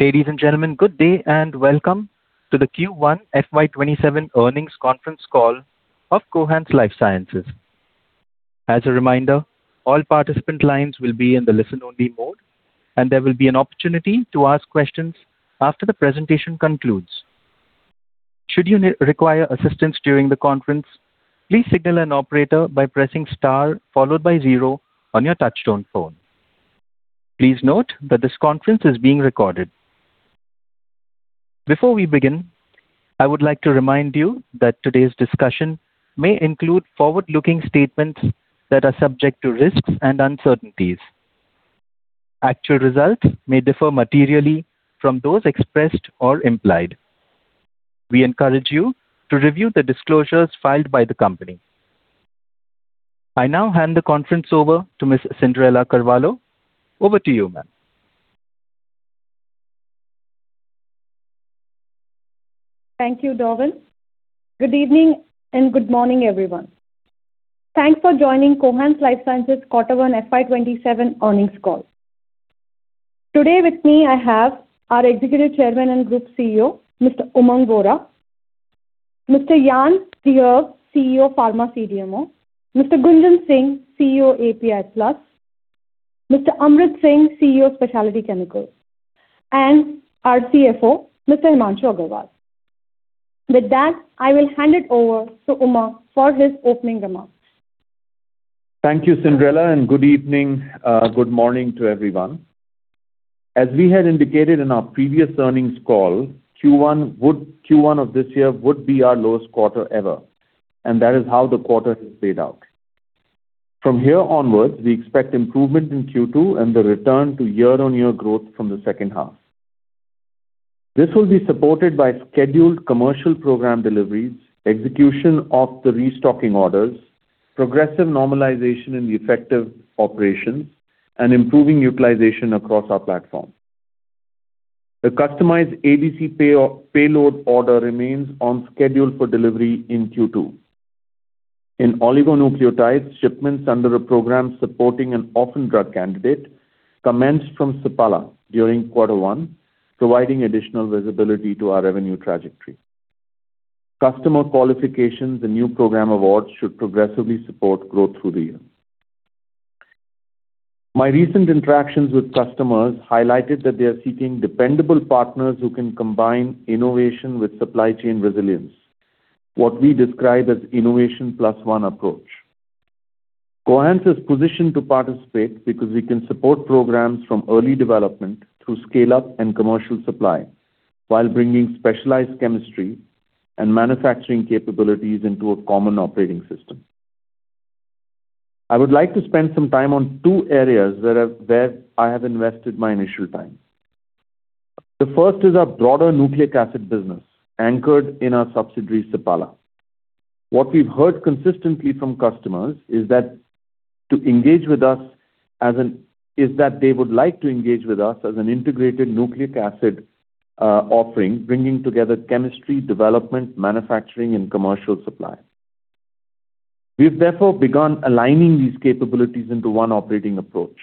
Ladies and gentlemen, good day and welcome to the Q1 FY 2027 earnings conference call of Cohance Lifesciences. As a reminder, all participant lines will be in the listen only mode, and there will be an opportunity to ask questions after the presentation concludes. Should you require assistance during the conference, please signal an operator by pressing star followed by zero on your touchtone phone. Please note that this conference is being recorded. Before we begin, I would like to remind you that today's discussion may include forward-looking statements that are subject to risks and uncertainties. Actual results may differ materially from those expressed or implied. We encourage you to review the disclosures filed by the company. I now hand the conference over to Ms. Cyndrella Carvalho. Over to you, ma'am. Thank you, Dovan. Good evening and good morning, everyone. Thanks for joining Cohance Lifesciences quarter one FY 2027 earnings call. Today with me, I have our Executive Chairman and Group CEO, Mr. Umang Vohra, Mr. Yann D'Herve, CEO, Pharma CDMO, Mr. Gunjan Singh, CEO, API Plus, Mr. Amrit Singh, CEO, Specialty Chemicals, and our CFO, Mr. Himanshu Agarwal. With that, I will hand it over to Umang for his opening remarks. Thank you, Cyndrella, and good evening, good morning to everyone. As we had indicated in our previous earnings call, Q1 of this year would be our lowest quarter ever, and that is how the quarter has played out. From here onwards, we expect improvement in Q2 and the return to year-on-year growth from the second half. This will be supported by scheduled commercial program deliveries, execution of the restocking orders, progressive normalization in the effective operations, and improving utilization across our platform. The customized ADC payload order remains on schedule for delivery in Q2. In oligonucleotides, shipments under a program supporting an orphan drug candidate commenced from Sapala during quarter one, providing additional visibility to our revenue trajectory. Customer qualifications and new program awards should progressively support growth through the year. My recent interactions with customers highlighted that they are seeking dependable partners who can combine innovation with supply chain resilience, what we describe as innovation plus one approach. Cohance is positioned to participate because we can support programs from early development through scale-up and commercial supply while bringing specialized chemistry and manufacturing capabilities into a common operating system. I would like to spend some time on two areas where I have invested my initial time. The first is our broader nucleic acid business, anchored in our subsidiary, Sapala. What we've heard consistently from customers is that they would like to engage with us as an integrated nucleic acid offering, bringing together chemistry, development, manufacturing, and commercial supply. We've therefore begun aligning these capabilities into one operating approach.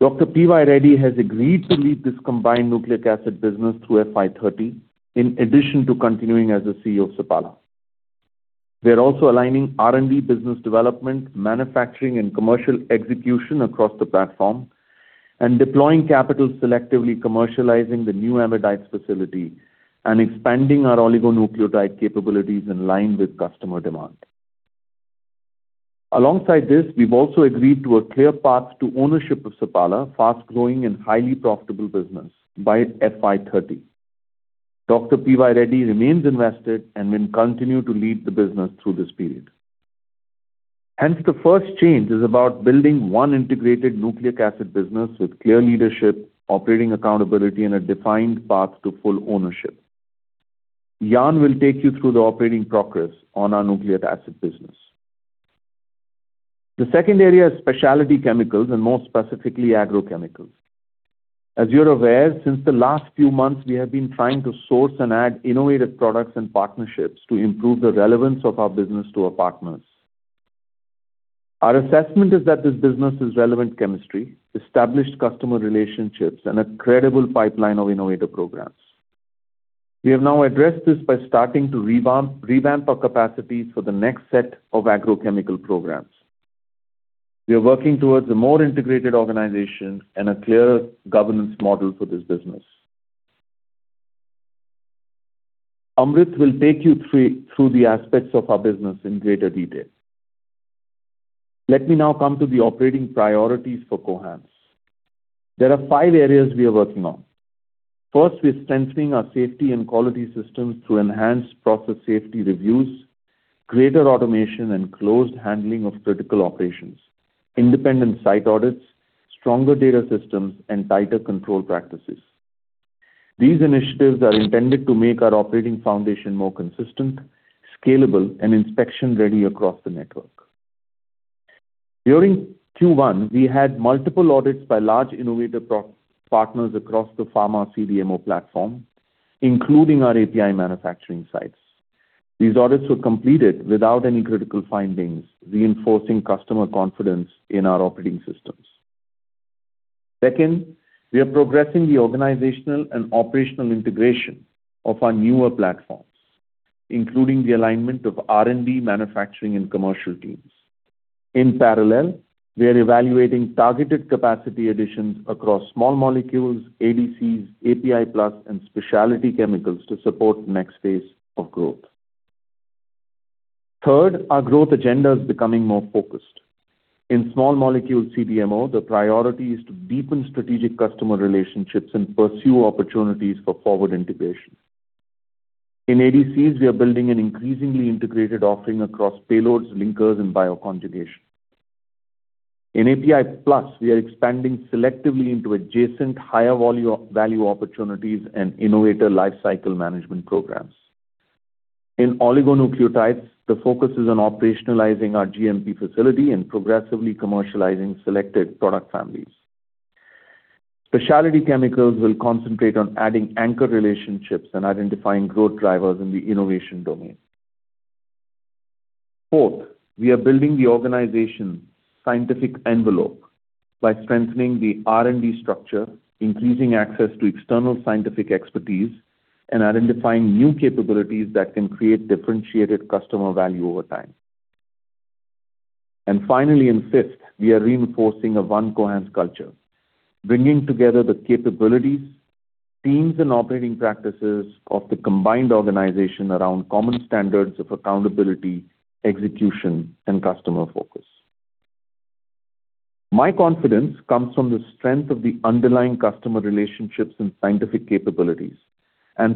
Dr. P.Y. Reddy has agreed to lead this combined nucleic acid business through FY 2030, in addition to continuing as the CEO of Sapala. We are also aligning R&D business development, manufacturing, and commercial execution across the platform and deploying capital selectively commercializing the new amidites facility and expanding our oligonucleotide capabilities in line with customer demand. Alongside this, we've also agreed to a clear path to ownership of Sapala fast-growing and highly profitable business by FY 2030. Dr. P.Y. Reddy remains invested and will continue to lead the business through this period. The first change is about building one integrated nucleic acid business with clear leadership, operating accountability, and a defined path to full ownership. Yann will take you through the operating progress on our nucleic acid business. The second area is Specialty Chemicals and more specifically, agrochemicals. As you're aware, since the last few months, we have been trying to source and add innovative products and partnerships to improve the relevance of our business to our partners. Our assessment is that this business is relevant chemistry, established customer relationships, and a credible pipeline of innovative programs. We have now addressed this by starting to revamp our capacities for the next set of agrochemical programs. We are working towards a more integrated organization and a clearer governance model for this business. Amrit will take you through the aspects of our business in greater detail. Let me now come to the operating priorities for Cohance. There are five areas we are working on. First, we're strengthening our safety and quality systems through enhanced process safety reviews, greater automation, and closed handling of critical operations, independent site audits, stronger data systems, and tighter control practices. These initiatives are intended to make our operating foundation more consistent, scalable, and inspection ready across the network. During Q1, we had multiple audits by large innovative partners across the pharma CDMO platform, including our API manufacturing sites. These audits were completed without any critical findings, reinforcing customer confidence in our operating systems. Second, we are progressing the organizational and operational integration of our newer platforms, including the alignment of R&D, manufacturing, and commercial teams. In parallel, we are evaluating targeted capacity additions across small molecules, ADCs, API Plus, and Specialty Chemicals to support the next phase of growth. Third, our growth agenda is becoming more focused. In small molecule CDMO, the priority is to deepen strategic customer relationships and pursue opportunities for forward integration. In ADCs, we are building an increasingly integrated offering across payloads, linkers, and bio conjugation. In API Plus, we are expanding selectively into adjacent higher value opportunities and innovator lifecycle management programs. In oligonucleotides, the focus is on operationalizing our GMP facility and progressively commercializing selected product families. Specialty Chemicals will concentrate on adding anchor relationships and identifying growth drivers in the innovation domain. Fourth, we are building the organization's scientific envelope by strengthening the R&D structure, increasing access to external scientific expertise, and identifying new capabilities that can create differentiated customer value over time. Finally, and fifth, we are reinforcing a one Cohance culture, bringing together the capabilities, teams, and operating practices of the combined organization around common standards of accountability, execution, and customer focus. My confidence comes from the strength of the underlying customer relationships and scientific capabilities,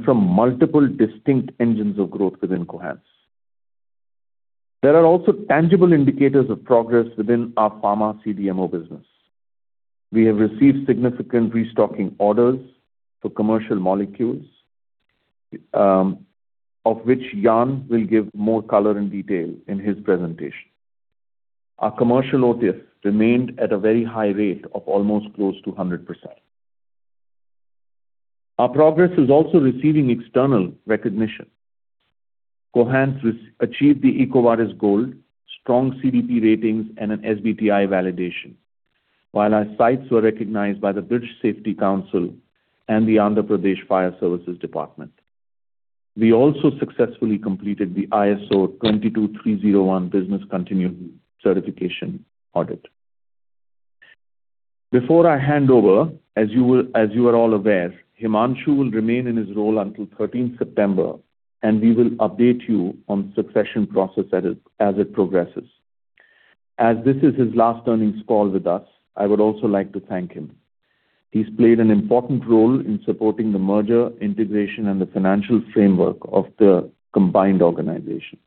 from multiple distinct engines of growth within Cohance. There are also tangible indicators of progress within our pharma CDMO business. We have received significant restocking orders for commercial molecules, of which Yann will give more color and detail in his presentation. Our commercial OTIF remained at a very high rate of almost close to 100%. Our progress is also receiving external recognition. Cohance achieved the EcoVadis Gold, strong CDP ratings, and an SBTi validation. While our sites were recognized by the British Safety Council and the Andhra Pradesh Fire Services Department. We also successfully completed the ISO 22301 Business Continuity certification audit. Before I hand over, as you are all aware, Himanshu will remain in his role until 13th September, and we will update you on succession process as it progresses. As this is his last earnings call with us, I would also like to thank him. He's played an important role in supporting the merger, integration, and the financial framework of the combined organization.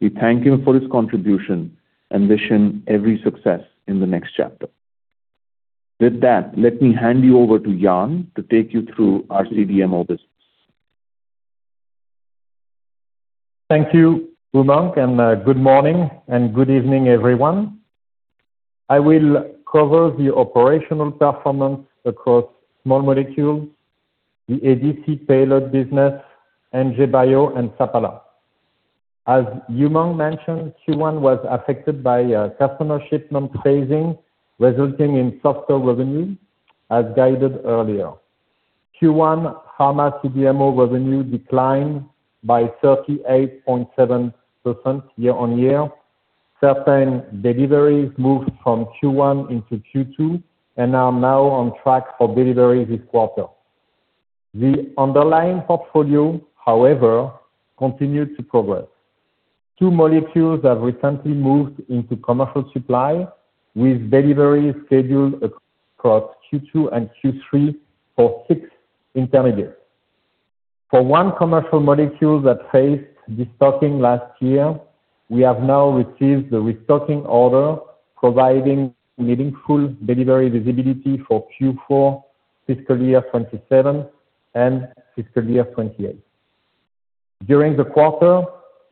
We thank him for his contribution and wish him every success in the next chapter. With that, let me hand you over to Yann to take you through our CDMO business. Thank you, Umang, and good morning and good evening, everyone. I will cover the operational performance across small molecules, the ADC payload business, NJ Bio, and Sapala. As Umang mentioned, Q1 was affected by customer shipment phasing, resulting in softer revenue, as guided earlier. Q1 pharma CDMO revenue declined by 38.7% year-on-year. Certain deliveries moved from Q1 into Q2, and are now on track for delivery this quarter. The underlying portfolio, however, continued to progress. Two molecules have recently moved into commercial supply, with deliveries scheduled across Q2 and Q3 for six intermediates. For one commercial molecule that faced destocking last year, we have now received the restocking order, providing meaningful delivery visibility for Q4 fiscal year 2027 and fiscal year 2028. During the quarter,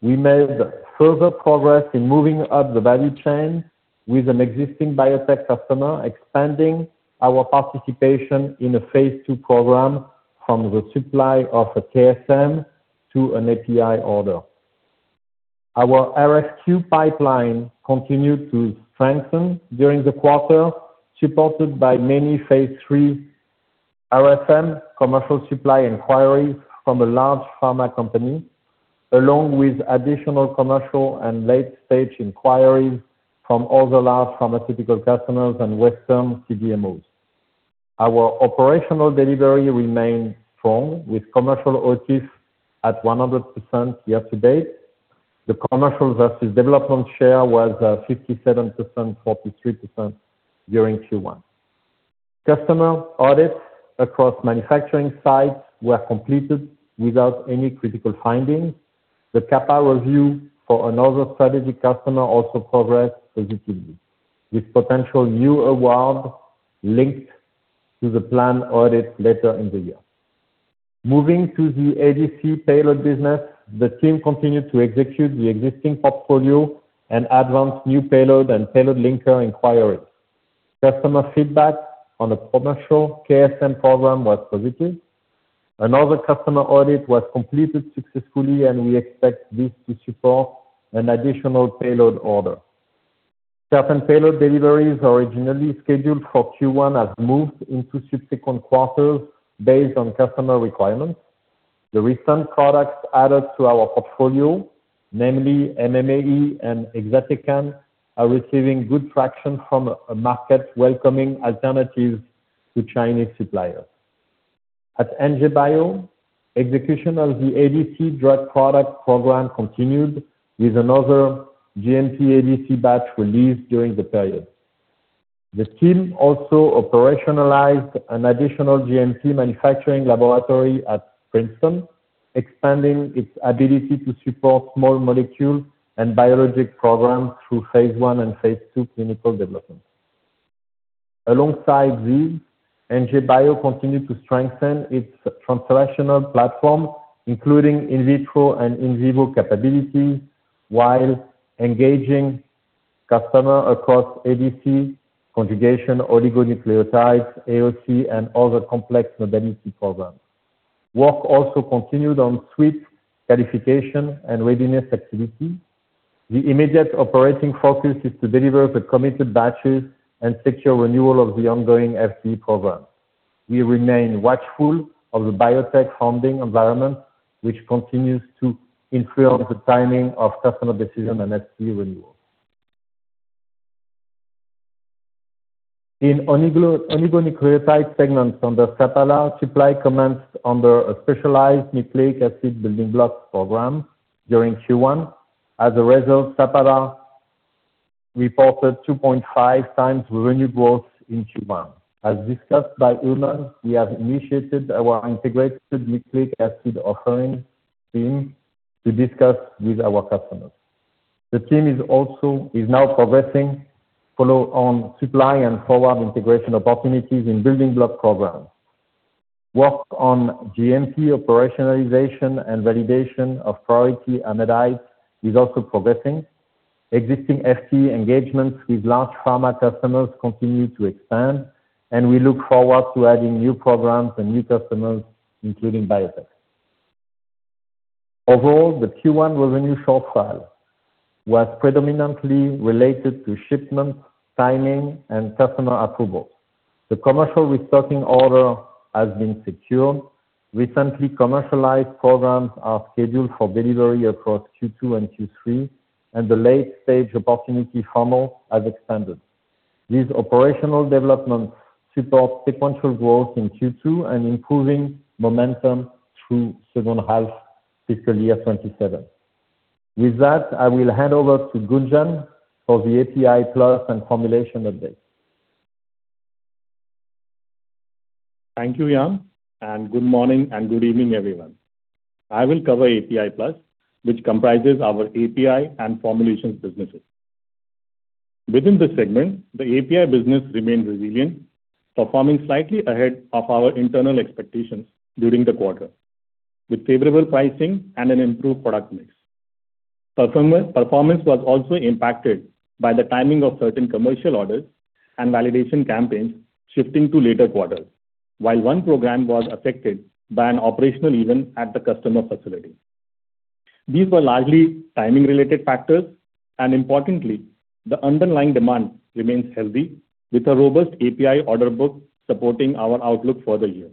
we made further progress in moving up the value chain with an existing biotech customer, expanding our participation in a phase II program from the supply of a KSM to an API order. Our RFQ pipeline continued to strengthen during the quarter, supported by many phase III RFM commercial supply inquiries from a large pharma company, along with additional commercial and late-stage inquiries from other large pharmaceutical customers and Western CDMOs. Our operational delivery remained strong, with commercial OTIF at 100% year-to-date. The commercial versus development share was 57%/43% during Q1. Customer audits across manufacturing sites were completed without any critical findings. The CapEx review for another strategic customer also progressed positively, with potential new award linked to the planned audit later in the year. Moving to the ADC payload business, the team continued to execute the existing portfolio and advance new payload and payload linker inquiries. Customer feedback on the commercial KSM program was positive. Another customer audit was completed successfully. We expect this to support an additional payload order. Certain payload deliveries originally scheduled for Q1 have moved into subsequent quarters based on customer requirements. The recent products added to our portfolio, namely MMAE and exatecan, are receiving good traction from a market welcoming alternatives to Chinese suppliers. At NJ Bio, execution of the ADC drug product program continued with another GMP ADC batch released during the period. The team also operationalized an additional GMP manufacturing laboratory at Princeton, expanding its ability to support small molecule and biologic programs through phase I and phase II clinical development. Alongside this, NJ Bio continued to strengthen its translational platform, including in vitro and in vivo capability, while engaging customers across ADC, conjugation, oligonucleotides, AOC, and other complex modality programs. Work also continued on suite qualification and readiness activity. The immediate operating focus is to deliver the committed batches and secure renewal of the ongoing FC program. We remain watchful of the biotech funding environment, which continues to influence the timing of customer decisions and FC renewals. In oligonucleotide segments under Sapala, supply commenced under a specialized nucleic acid building blocks program during Q1. As a result, Sapala reported 2.5x revenue growth in Q1. As discussed by Umang, we have initiated our integrated nucleic acid offering team to discuss with our customers. The team is now progressing follow-on supply and forward integration opportunities in building block programs. Work on GMP operationalization and validation of priority amidites is also progressing. Existing FC engagements with large pharma customers continue to expand. We look forward to adding new programs and new customers, including biotechs. Overall, the Q1 revenue shortfall was predominantly related to shipment timing and customer approvals. The commercial restocking order has been secured. Recently commercialized programs are scheduled for delivery across Q2 and Q3. The late-stage opportunity funnel has expanded. These operational developments support sequential growth in Q2 and improving momentum through second half fiscal year 2027. With that, I will hand over to Gunjan for the API Plus and formulation update. Thank you, Yann. Good morning and good evening, everyone. I will cover API Plus, which comprises our API and formulations businesses. Within the segment, the API business remained resilient, performing slightly ahead of our internal expectations during the quarter, with favorable pricing and an improved product mix. Performance was also impacted by the timing of certain commercial orders and validation campaigns shifting to later quarters, while one program was affected by an operational event at the customer facility. These were largely timing-related factors. Importantly, the underlying demand remains healthy with a robust API order book supporting our outlook for the year.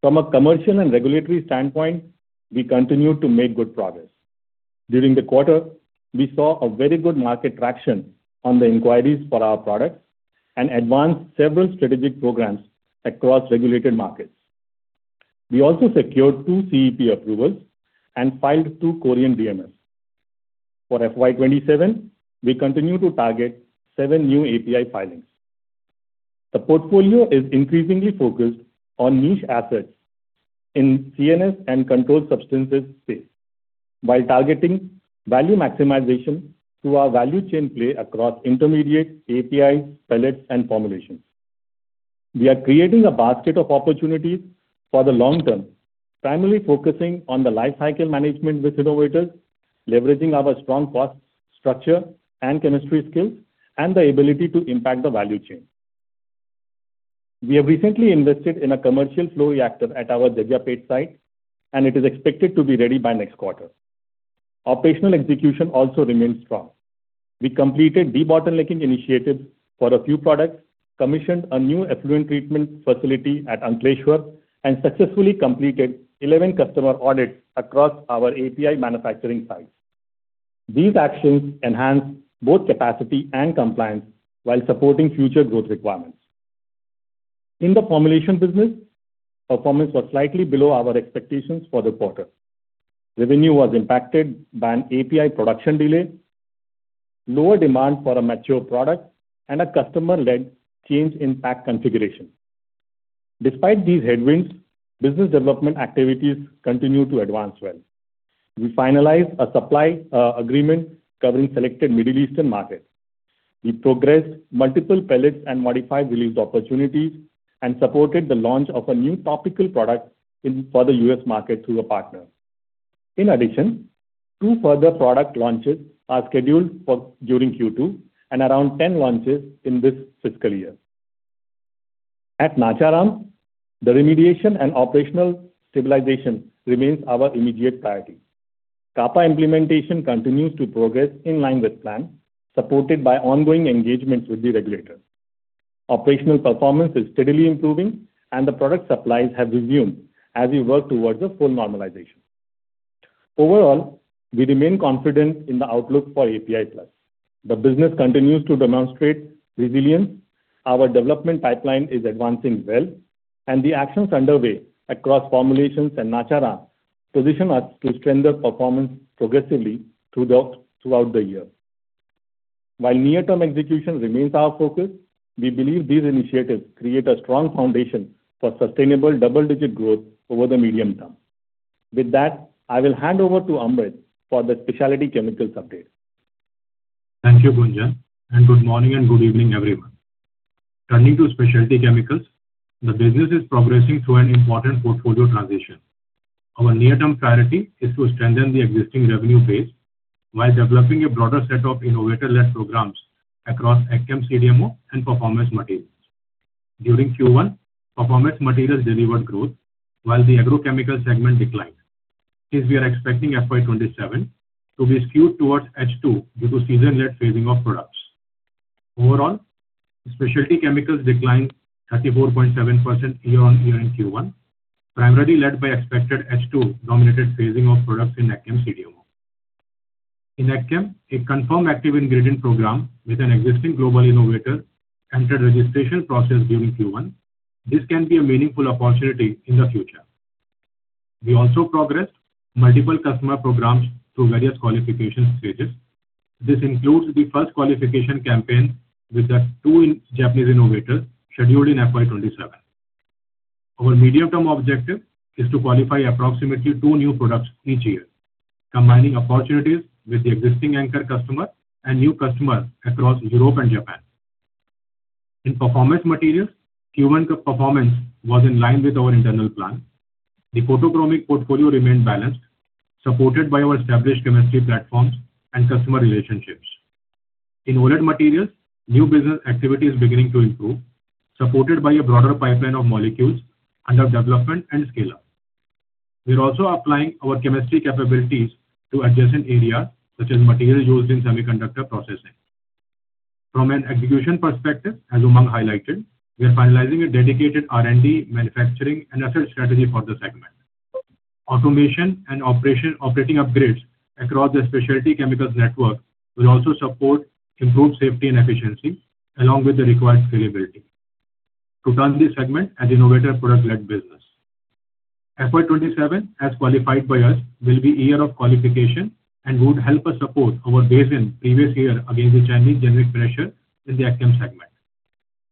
From a commercial and regulatory standpoint, we continue to make good progress. During the quarter, we saw a very good market traction on the inquiries for our products. We advanced several strategic programs across regulated markets. We also secured two CEP approvals and filed two Korean DMFs. For FY 2027, we continue to target seven new API filings. The portfolio is increasingly focused on niche assets in CNS and controlled substances space, while targeting value maximization through our value chain play across intermediate APIs, pellets, and formulations. We are creating a basket of opportunities for the long term, primarily focusing on the life cycle management with innovators, leveraging our strong cost structure and chemistry skills, and the ability to impact the value chain. We have recently invested in a commercial flow reactor at our Jeedimetla site, and it is expected to be ready by next quarter. Operational execution also remains strong. We completed debottlenecking initiatives for a few products, commissioned a new effluent treatment facility at Ankleshwar, and successfully completed 11 customer audits across our API manufacturing sites. These actions enhance both capacity and compliance while supporting future growth requirements. In the formulation business, performance was slightly below our expectations for the quarter. Revenue was impacted by an API production delay, lower demand for a mature product, and a customer-led change in pack configuration. Despite these headwinds, business development activities continue to advance well. We finalized a supply agreement covering selected Middle Eastern markets. We progressed multiple pellets and modified release opportunities and supported the launch of a new topical product for the U.S. market through a partner. In addition, two further product launches are scheduled during Q2 and around 10 launches in this fiscal year. At Nacharam, the remediation and operational stabilization remains our immediate priority. CAPA implementation continues to progress in line with plan, supported by ongoing engagements with the regulators. Operational performance is steadily improving, and the product supplies have resumed as we work towards a full normalization. Overall, we remain confident in the outlook for API Plus. The business continues to demonstrate resilience, our development pipeline is advancing well, and the actions underway across formulations and Nacharam position us to strengthen performance progressively throughout the year. While near-term execution remains our focus, we believe these initiatives create a strong foundation for sustainable double-digit growth over the medium term. With that, I will hand over to Amrit for the Specialty Chemicals update. Thank you, Gunjan, and good morning and good evening, everyone. Turning to Specialty Chemicals, the business is progressing through an important portfolio transition. Our near-term priority is to strengthen the existing revenue base while developing a broader set of innovator-led programs across AgChem CDMO and performance materials. During Q1, performance materials delivered growth, while the agrochemical segment declined, as we are expecting FY 2027 to be skewed towards H2 due to season-led phasing of products. Overall, Specialty Chemicals declined 34.7% year-on-year in Q1, primarily led by expected H2-dominated phasing of products in AgChem CDMO. In AgChem, a confirmed active ingredient program with an existing global innovator entered registration process during Q1. This can be a meaningful opportunity in the future. We also progressed multiple customer programs through various qualification stages. This includes the first qualification campaign with a two-year Japanese innovator scheduled in FY 2027. Our medium-term objective is to qualify approximately two new products each year, combining opportunities with the existing anchor customer and new customers across Europe and Japan. In performance materials, Q1 performance was in line with our internal plan. The photochromic portfolio remained balanced, supported by our established chemistry platforms and customer relationships. In OLED materials, new business activity is beginning to improve, supported by a broader pipeline of molecules under development and scale-up. We are also applying our chemistry capabilities to adjacent areas, such as materials used in semiconductor processing. From an execution perspective, as Umang highlighted, we are finalizing a dedicated R&D manufacturing and asset strategy for this segment. Automation and operating upgrades across the Specialty Chemicals network will also support improved safety and efficiency along with the required scalability to turn this segment an innovator product-led business. FY 2027, as qualified by us, will be a year of qualification and would help us support our base in previous year against the Chinese generic pressure in the AgChem segment.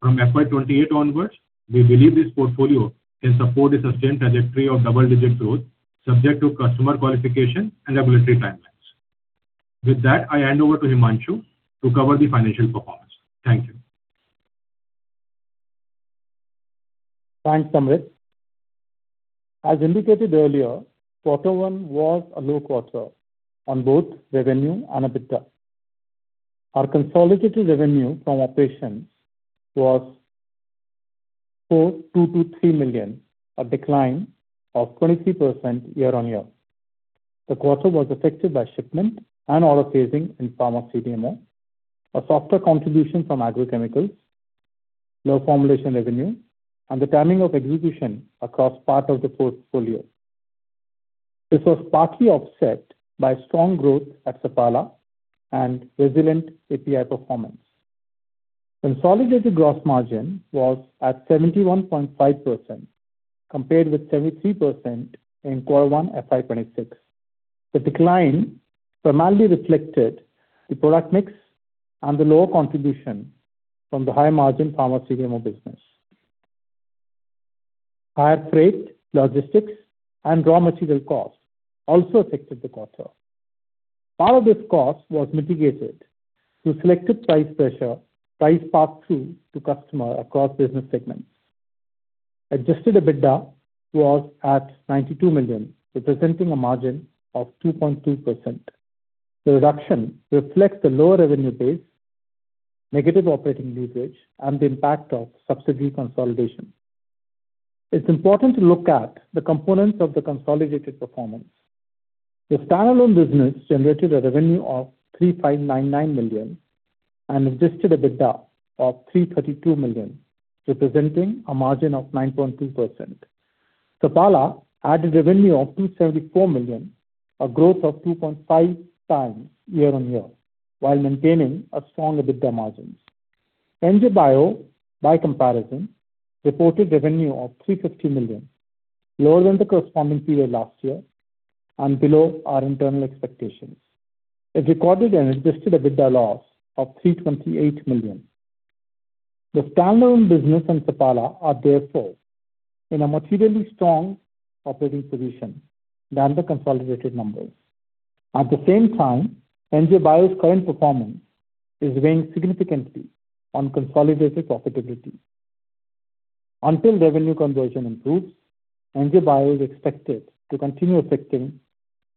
From FY 2028 onwards, we believe this portfolio can support a sustained trajectory of double-digit growth subject to customer qualification and regulatory timelines. With that, I hand over to Himanshu to cover the financial performance. Thank you. Thanks, Amrit. As indicated earlier, quarter one was a low quarter on both revenue and EBITDA. Our consolidated revenue from operations was $4.223 million, a decline of 23% year-on-year. The quarter was affected by shipment and order phasing in Pharma CDMO, a softer contribution from agrochemicals, low formulation revenue, and the timing of execution across part of the portfolio. This was partly offset by strong growth at Sapala and resilient API performance. Consolidated gross margin was at 71.5%, compared with 73% in Q1 FY 2026. The decline primarily reflected the product mix and the lower contribution from the high-margin Pharma CDMO business. Higher freight, logistics, and raw material costs also affected the quarter. Part of this cost was mitigated through selective price pressure, price pass-through to customer across business segments. Adjusted EBITDA was at $92 million, representing a margin of 2.2%. The reduction reflects the lower revenue base, negative operating leverage, and the impact of subsidiary consolidation. It is important to look at the components of the consolidated performance. The standalone business generated a revenue of $35.99 million and adjusted EBITDA of $332 million, representing a margin of 9.2%. Sapala had a revenue of $274 million, a growth of 2.5x year-on-year, while maintaining a strong EBITDA margin. NJ Bio, by comparison, reported revenue of $350 million, lower than the corresponding period last year, and below our internal expectations. It recorded an adjusted EBITDA loss of $328 million. The standalone business and Sapala are therefore in a materially strong operating position than the consolidated numbers. At the same time, NJ Bio's current performance is weighing significantly on consolidated profitability. Until revenue conversion improves, NJ Bio is expected to continue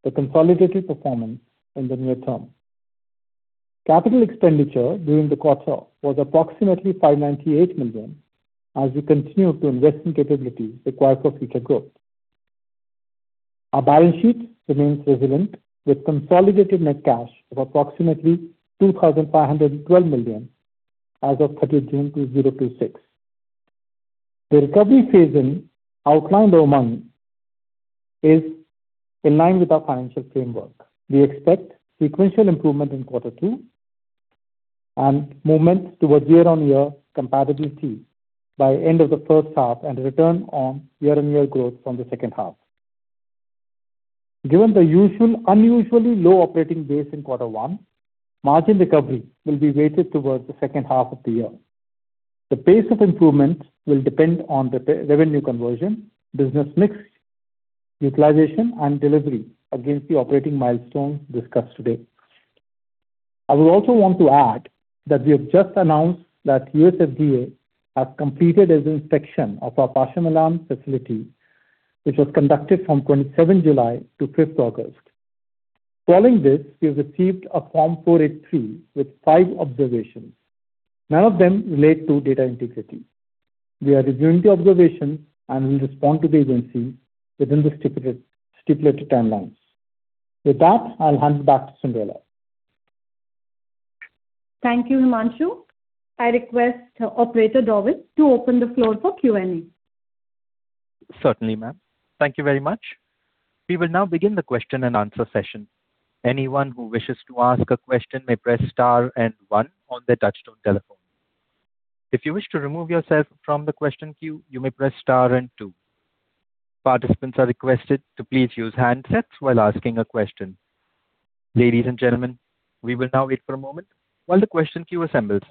affecting the consolidated performance in the near term. Capital expenditure during the quarter was approximately 598 million, as we continue to invest in capabilities required for future growth. Our balance sheet remains resilient with consolidated net cash of approximately 2,512 million as of 30th June 2026. The recovery phase outlined, Umang, is in line with our financial framework. We expect sequential improvement in quarter 2 and movement towards year-on-year compatibility by end of the first half and return on year-on-year growth from the second half. Given the unusually low operating base in quarter 1, margin recovery will be weighted towards the second half of the year. The pace of improvement will depend on the revenue conversion, business mix, utilization, and delivery against the operating milestones discussed today. I will also want to add that we have just announced that U.S. FDA have completed its inspection of our Pashamylaram facility, which was conducted from 27th July to 5th August. Following this, we have received a Form 483 with five observations. None of them relate to data integrity. We are reviewing the observations and will respond to the agency within the stipulated timelines. With that, I'll hand back to Cyndrella. Thank you, Himanshu. I request Operator Dovan to open the floor for Q&A. Certainly, ma'am. Thank you very much. We will now begin the question and answer session. Anyone who wishes to ask a question may press star and one on their touch-tone telephone. If you wish to remove yourself from the question queue, you may press star and two. Participants are requested to please use handsets while asking a question. Ladies and gentlemen, we will now wait for a moment while the question queue assembles.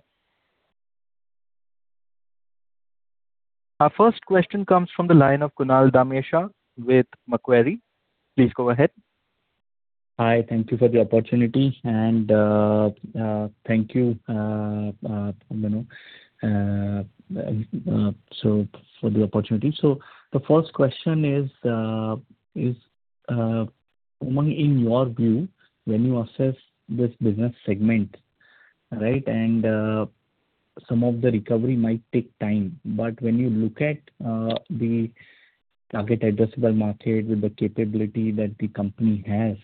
Our first question comes from the line of Kunal Dhamesha with Macquarie. Please go ahead. Hi. Thank you for the opportunity. Thank you, Umang. For the opportunity. The first question is, Umang, in your view, when you assess this business segment and some of the recovery might take time, but when you look at the target addressable market with the capability that the company has,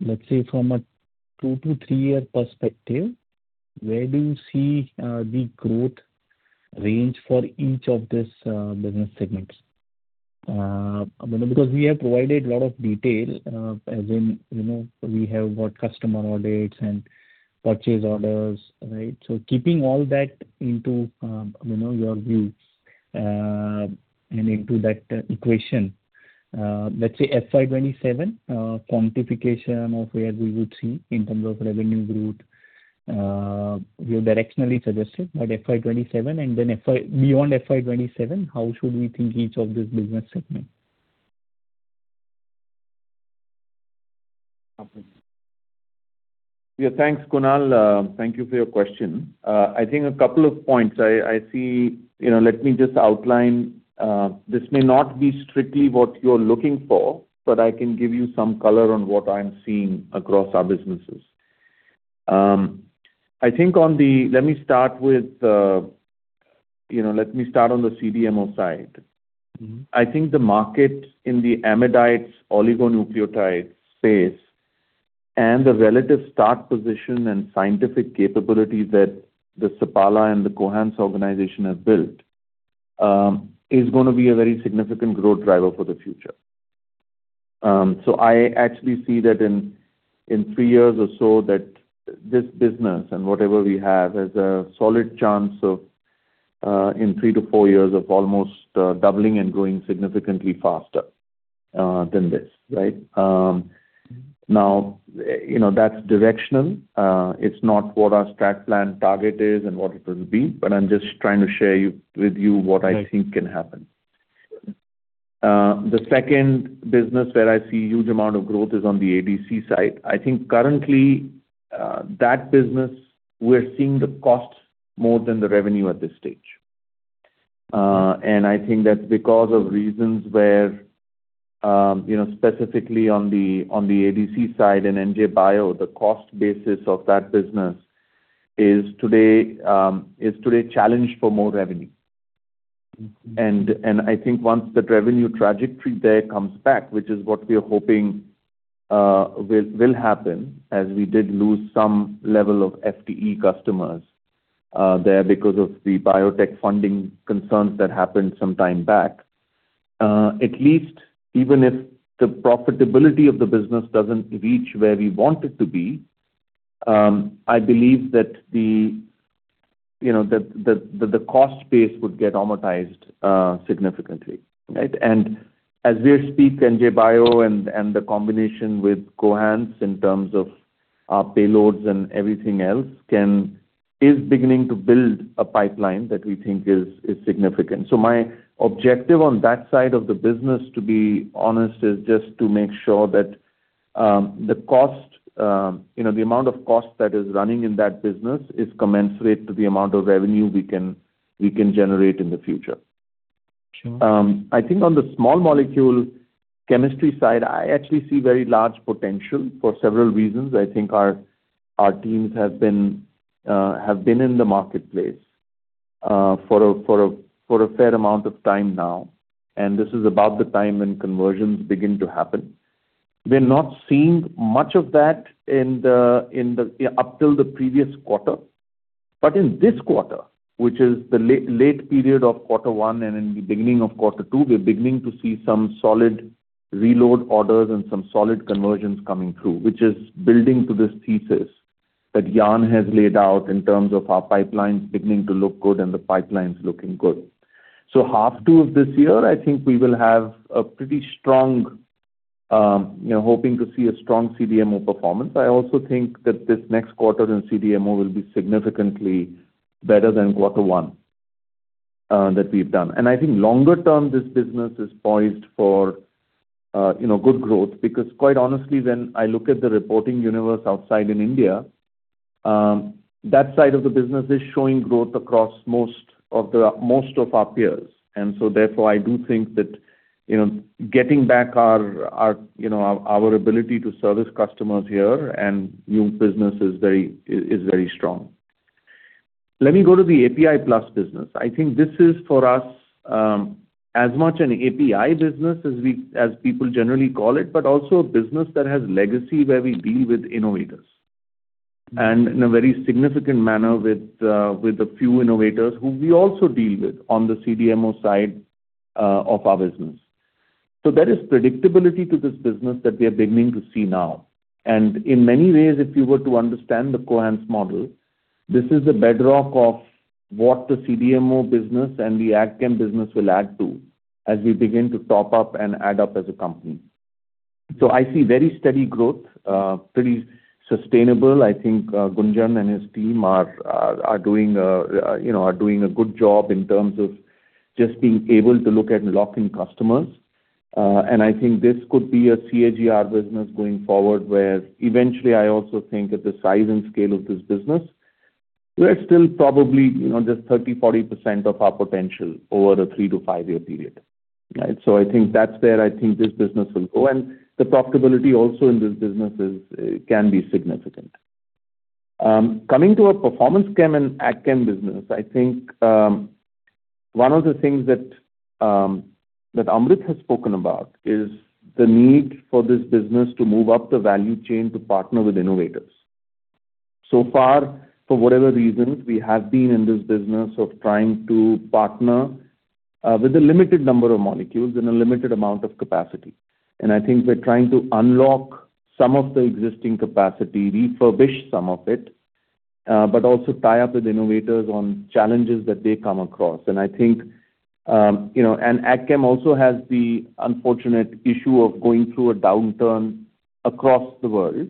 let's say, from a two to three-year perspective, where do you see the growth range for each of these business segments? Because we have provided a lot of detail, as in we have got customer orders and purchase orders, right? Keeping all that into your views and into that equation, let's say FY 2027 quantification of where we would see in terms of revenue growth, you directionally suggested by FY 2027 and then beyond FY 2027, how should we think each of these business segments? Yeah. Thanks, Kunal. Thank you for your question. I think a couple of points. Let me just outline. This may not be strictly what you're looking for, but I can give you some color on what I'm seeing across our businesses. Let me start on the CDMO side. I think the market in the amidites oligonucleotide space and the relative stock position and scientific capability that the Sapala and the Cohance organization have built is going to be a very significant growth driver for the future. I actually see that in three years or so that this business and whatever we have has a solid chance of, in three to four years, of almost doubling and growing significantly faster than this, right? Now, that's directional. It's not what our strat plan target is and what it will be, but I'm just trying to share with you what I think can happen. Right. The second business where I see huge amount of growth is on the ADC side. I think currently, that business, we're seeing the costs more than the revenue at this stage. I think that's because of reasons where specifically on the ADC side and NJ Bio, the cost basis of that business is today challenged for more revenue. I think once that revenue trajectory there comes back, which is what we are hoping will happen as we did lose some level of FTE customers there because of the biotech funding concerns that happened some time back. At least even if the profitability of the business doesn't reach where we want it to be, I believe that the cost base would get amortized significantly, right? As we speak, NJ Bio and the combination with Cohance in terms of our payloads and everything else is beginning to build a pipeline that we think is significant. My objective on that side of the business, to be honest, is just to make sure that the amount of cost that is running in that business is commensurate to the amount of revenue we can generate in the future. Sure. I think on the small molecule chemistry side, I actually see very large potential for several reasons. I think our teams have been in the marketplace for a fair amount of time now, this is about the time when conversions begin to happen. We're not seeing much of that up till the previous quarter. In this quarter, which is the late period of quarter one and in the beginning of quarter two, we're beginning to see some solid reload orders and some solid conversions coming through, which is building to this thesis that Yann has laid out in terms of our pipelines beginning to look good and the pipelines looking good. Half two of this year, I think we will have a pretty strong, hoping to see a strong CDMO performance. I also think that this next quarter in CDMO will be significantly better than quarter one that we've done. I think longer term, this business is poised for good growth, because quite honestly, when I look at the reporting universe outside in India, that side of the business is showing growth across most of our peers. I do think that getting back our ability to service customers here and new business is very strong. Let me go to the API Plus business. I think this is for us as much an API business as people generally call it, but also a business that has legacy where we deal with innovators, and in a very significant manner with a few innovators who we also deal with on the CDMO side of our business. There is predictability to this business that we are beginning to see now. In many ways, if you were to understand the Cohance model, this is a bedrock of what the CDMO business and the AgChem business will add to as we begin to top up and add up as a company. I see very steady growth, pretty sustainable. I think Gunjan and his team are doing a good job in terms of just being able to look at locking customers. I think this could be a CAGR business going forward, where eventually I also think that the size and scale of this business, we're still probably just 30%-40% of our potential over a three to five-year period. Right. I think that's where I think this business will go. The profitability also in this business can be significant. Coming to our Performance Chem and AgChem business, I think one of the things that Amrit has spoken about is the need for this business to move up the value chain to partner with innovators. So far, for whatever reasons, we have been in this business of trying to partner with a limited number of molecules and a limited amount of capacity. I think we're trying to unlock some of the existing capacity, refurbish some of it, but also tie up with innovators on challenges that they come across. AgChem also has the unfortunate issue of going through a downturn across the world.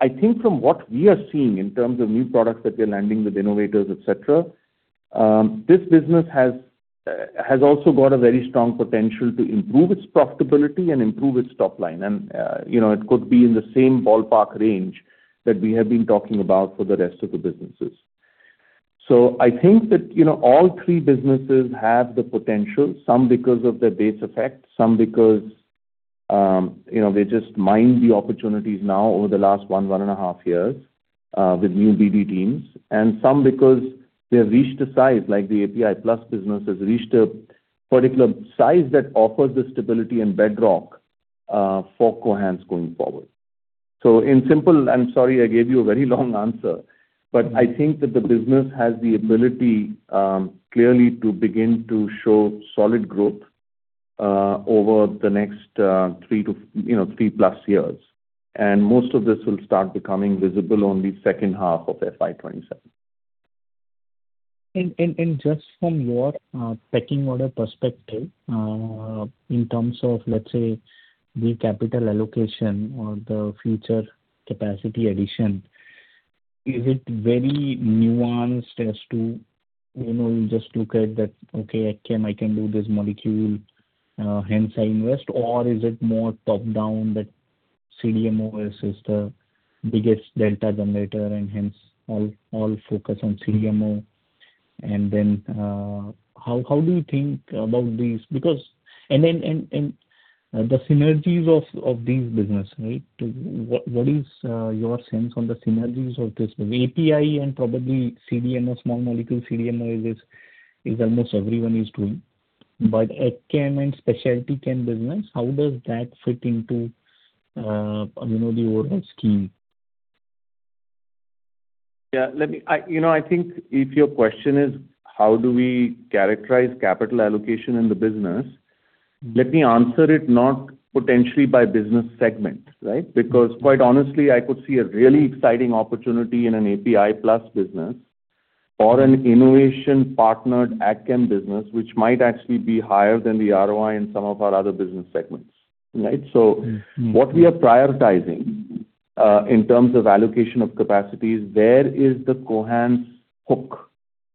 I think from what we are seeing in terms of new products that we're landing with innovators, et cetera, this business has also got a very strong potential to improve its profitability and improve its top line. It could be in the same ballpark range that we have been talking about for the rest of the businesses. I think that all three businesses have the potential, some because of their base effect, some because they just mined the opportunities now over the last one and a half years, with new BD teams, and some because they have reached a size, like the API Plus business has reached a particular size that offers the stability and bedrock for Cohance going forward. In simple, I'm sorry I gave you a very long answer, I think that the business has the ability, clearly, to begin to show solid growth over the next 3+ years. Most of this will start becoming visible on the second half of FY 2027. Just from your pecking order perspective, in terms of, let's say, the capital allocation or the future capacity addition, is it very nuanced as to you just look at that, "Okay, AgChem, I can do this molecule, hence I invest." Is it more top-down that CDMO is the biggest delta generator and hence all focus on CDMO? How do you think about these? The synergies of these business, right? What is your sense on the synergies of this API and probably CDMO small molecule, CDMO is almost everyone is doing. AgChem and Specialty Chem business, how does that fit into the overall scheme? Yeah. I think if your question is how do we characterize capital allocation in the business, let me answer it not potentially by business segment, right? Because quite honestly, I could see a really exciting opportunity in an API Plus business or an innovation partnered AgChem business, which might actually be higher than the ROI in some of our other business segments. Right? So what we are prioritizing in terms of allocation of capacities, where is the Cohance hook?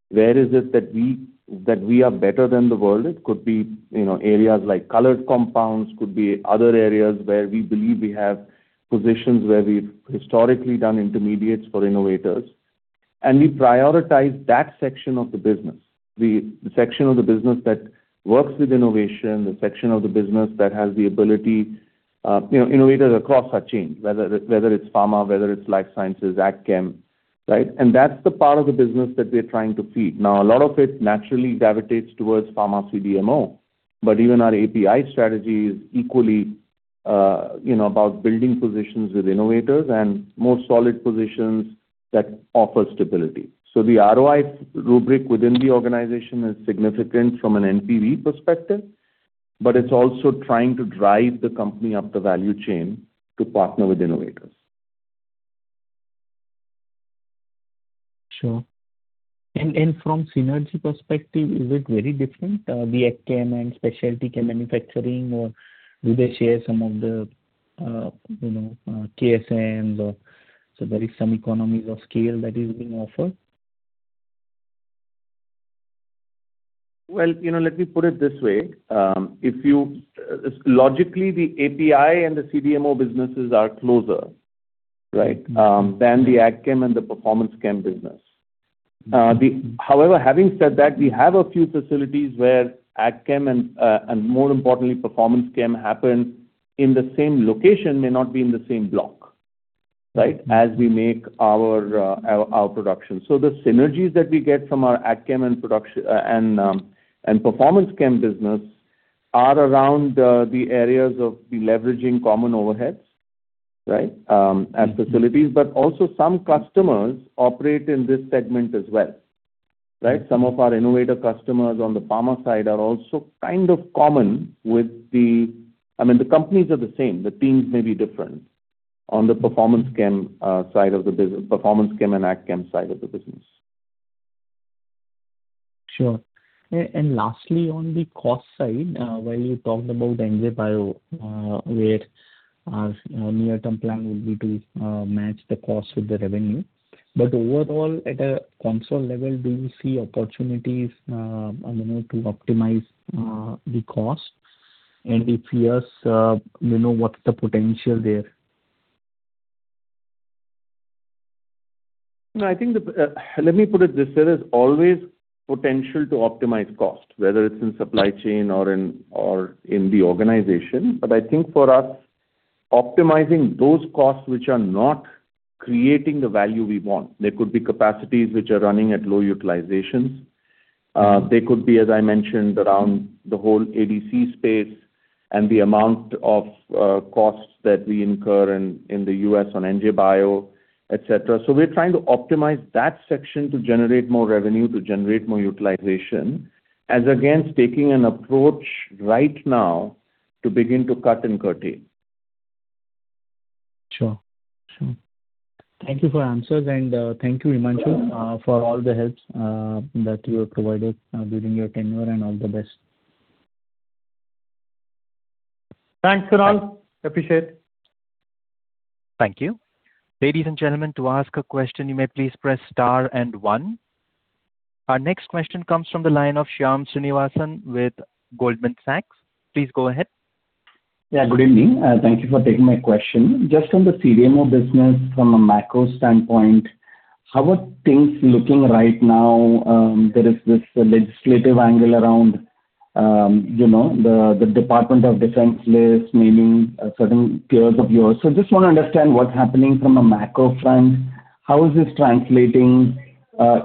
Where is it that we are better than the world? It could be areas like colored compounds, could be other areas where we believe we have positions where we've historically done intermediates for innovators, we prioritize that section of the business, the section of the business that works with innovation, the section of the business that has the ability Innovators across our chain, whether it's pharma, whether it's life sciences, AgChem, right? That's the part of the business that we're trying to feed. Now, a lot of it naturally gravitates towards pharma CDMO, but even our API strategy is equally about building positions with innovators and more solid positions that offer stability. So the ROI rubric within the organization is significant from an NPV perspective, but it's also trying to drive the company up the value chain to partner with innovators. Sure. From synergy perspective, is it very different? The AgChem and Specialty Chemicals manufacturing or do they share some of the KSMs or so there is some economies of scale that is being offered? Well, let me put it this way. Logically, the API and the CDMO businesses are closer, right? Than the AgChem and the Specialty Chemicals business. Having said that, we have a few facilities where AgChem and more importantly, Specialty Chemicals happen in the same location, may not be in the same block. As we make our production. The synergies that we get from our AgChem and Specialty Chemicals business are around the areas of deleveraging common overheads at facilities. Also some customers operate in this segment as well. Some of our innovator customers on the pharma side are also kind of common with the companies are the same, the teams may be different on the Specialty Chemicals and AgChem side of the business. Sure. Lastly, on the cost side, while you talked about NJ Bio where our near-term plan would be to match the cost with the revenue. Overall, at a console level, do you see opportunities to optimize the cost? If yes, what's the potential there? Let me put it this way, there is always potential to optimize cost, whether it's in supply chain or in the organization. I think for us, optimizing those costs which are not creating the value we want, they could be capacities which are running at low utilizations. They could be, as I mentioned, around the whole ADC space and the amount of costs that we incur in the U.S. on NJ Bio, et cetera. We're trying to optimize that section to generate more revenue, to generate more utilization, as against taking an approach right now to begin to cut and curtail. Sure. Thank you for answers and thank you, Himanshu, for all the helps that you have provided during your tenure, and all the best. Thanks, Kunal. Appreciate. Thank you. Ladies and gentlemen, to ask a question, you may please press star and one. Our next question comes from the line of Shyam Srinivasan with Goldman Sachs. Please go ahead. Yeah, good evening. Thank you for taking my question. Just on the CDMO business from a macro standpoint, how are things looking right now? There is this legislative angle around the Department of Defense list naming certain peers of yours. Just want to understand what is happening from a macro front. How is this translating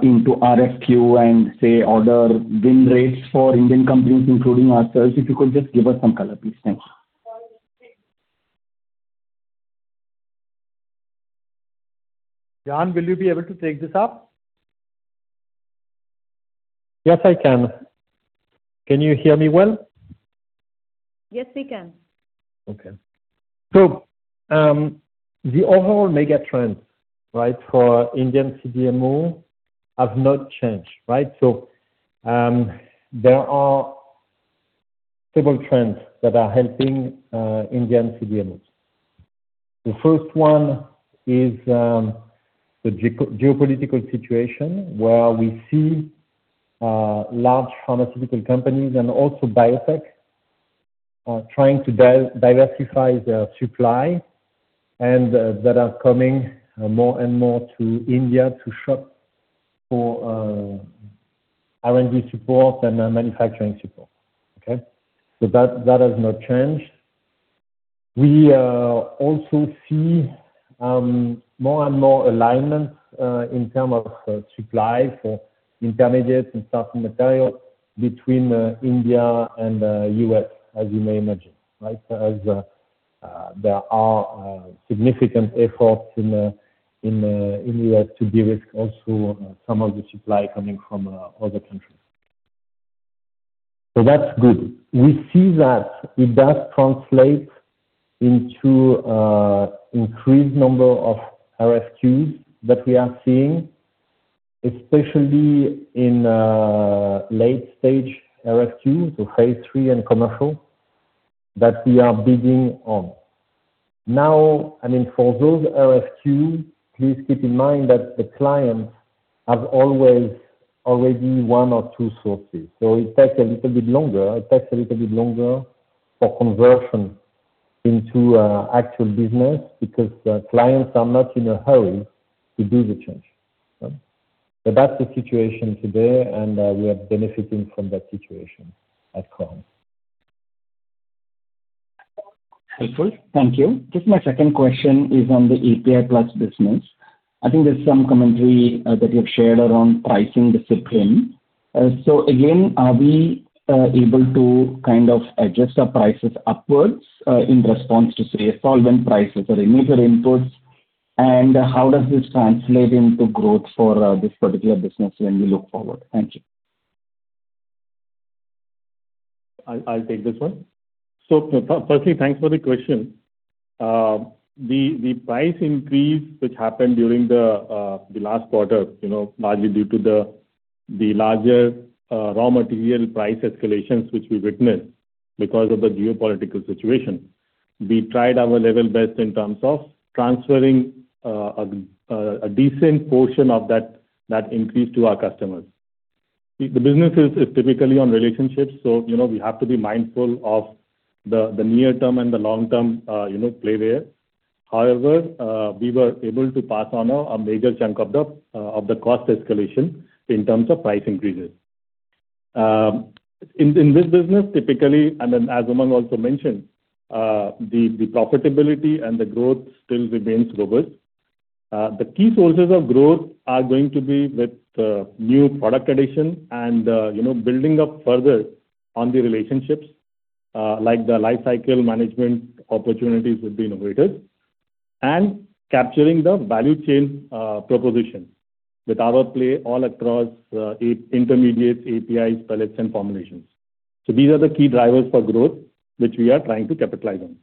into RFQ and, say, order win rates for Indian companies, including ourselves? If you could just give us some color, please. Thanks. Yann, will you be able to take this up? Yes, I can. Can you hear me well? Yes, we can. The overall mega trends for Indian CDMO have not changed, right? There are several trends that are helping Indian CDMOs. The first one is the geopolitical situation where we see large pharmaceutical companies and also biotech are trying to diversify their supply and that are coming more and more to India to shop for R&D support and manufacturing support. Okay? That has not changed. We also see more and more alignment in term of supply for intermediates and starting material between India and U.S., as you may imagine, right? As there are significant efforts in U.S. to de-risk also some of the supply coming from other countries. That's good. We see that it does translate into increased number of RFQs that we are seeing Especially in late stage RFQ, phase III and commercial, that we are bidding on. Now, for those RFQ, please keep in mind that the client has always already one or two sources. It takes a little bit longer for conversion into actual business because the clients are not in a hurry to do the change. That's the situation today, and we are benefiting from that situation at current. Helpful. Thank you. My second question is on the API Plus business. I think there's some commentary that you've shared around pricing discipline. Again, are we able to kind of adjust our prices upwards, in response to, say, solvent prices or immediate inputs? And how does this translate into growth for this particular business when we look forward? Thank you. I'll take this one. Firstly, thanks for the question. The price increase which happened during the last quarter, largely due to the larger raw material price escalations, which we witnessed because of the geopolitical situation. We tried our level best in terms of transferring a decent portion of that increase to our customers. The business is typically on relationships, so we have to be mindful of the near term and the long term play there. However, we were able to pass on a major chunk of the cost escalation in terms of price increases. In this business, typically, and then as Umang also mentioned, the profitability and the growth still remains robust. The key sources of growth are going to be with new product addition and building up further on the relationships, like the life cycle management opportunities we've been awarded, and capturing the value chain proposition with our play all across intermediates, APIs, pellets and formulations. These are the key drivers for growth which we are trying to capitalize on.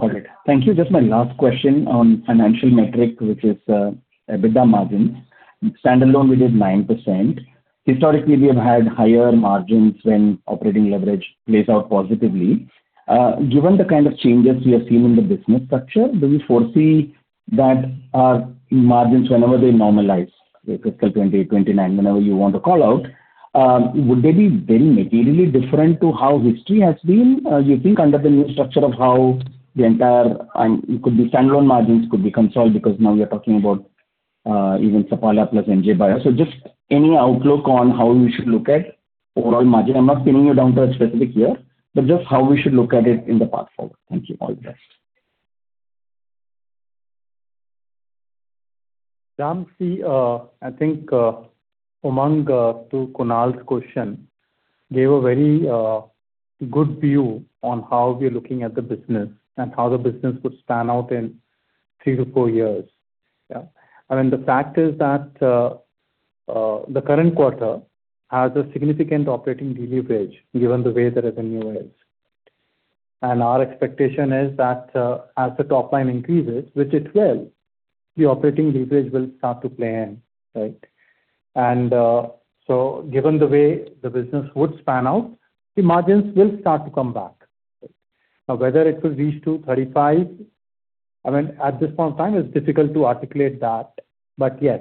Got it. Thank you. My last question on financial metric, which is EBITDA margins. Standalone, we did 9%. Historically, we have had higher margins when operating leverage plays out positively. Given the kind of changes we have seen in the business structure, do we foresee that our margins, whenever they normalize, say fiscal 2028, 2029, whenever you want to call out, would they be very materially different to how history has been? Do you think under the new structure of how the entire, it could be standalone margins could be consoled because now we're talking about even Sapala plus NJ Bio. Just any outlook on how we should look at overall margin. I'm not pinning you down to a specific year, but just how we should look at it in the path forward. Thank you. All the best. Shyam, see, I think Umang, through Kunal's question, gave a very good view on how we are looking at the business and how the business would span out in three to four years. Yeah. I mean, the fact is that the current quarter has a significant operating leverage given the way the revenue is. Our expectation is that as the top line increases, which it will, the operating leverage will start to play in, right? Given the way the business would span out, the margins will start to come back. Now, whether it will reach to 35, I mean, at this point in time, it's difficult to articulate that. But yes,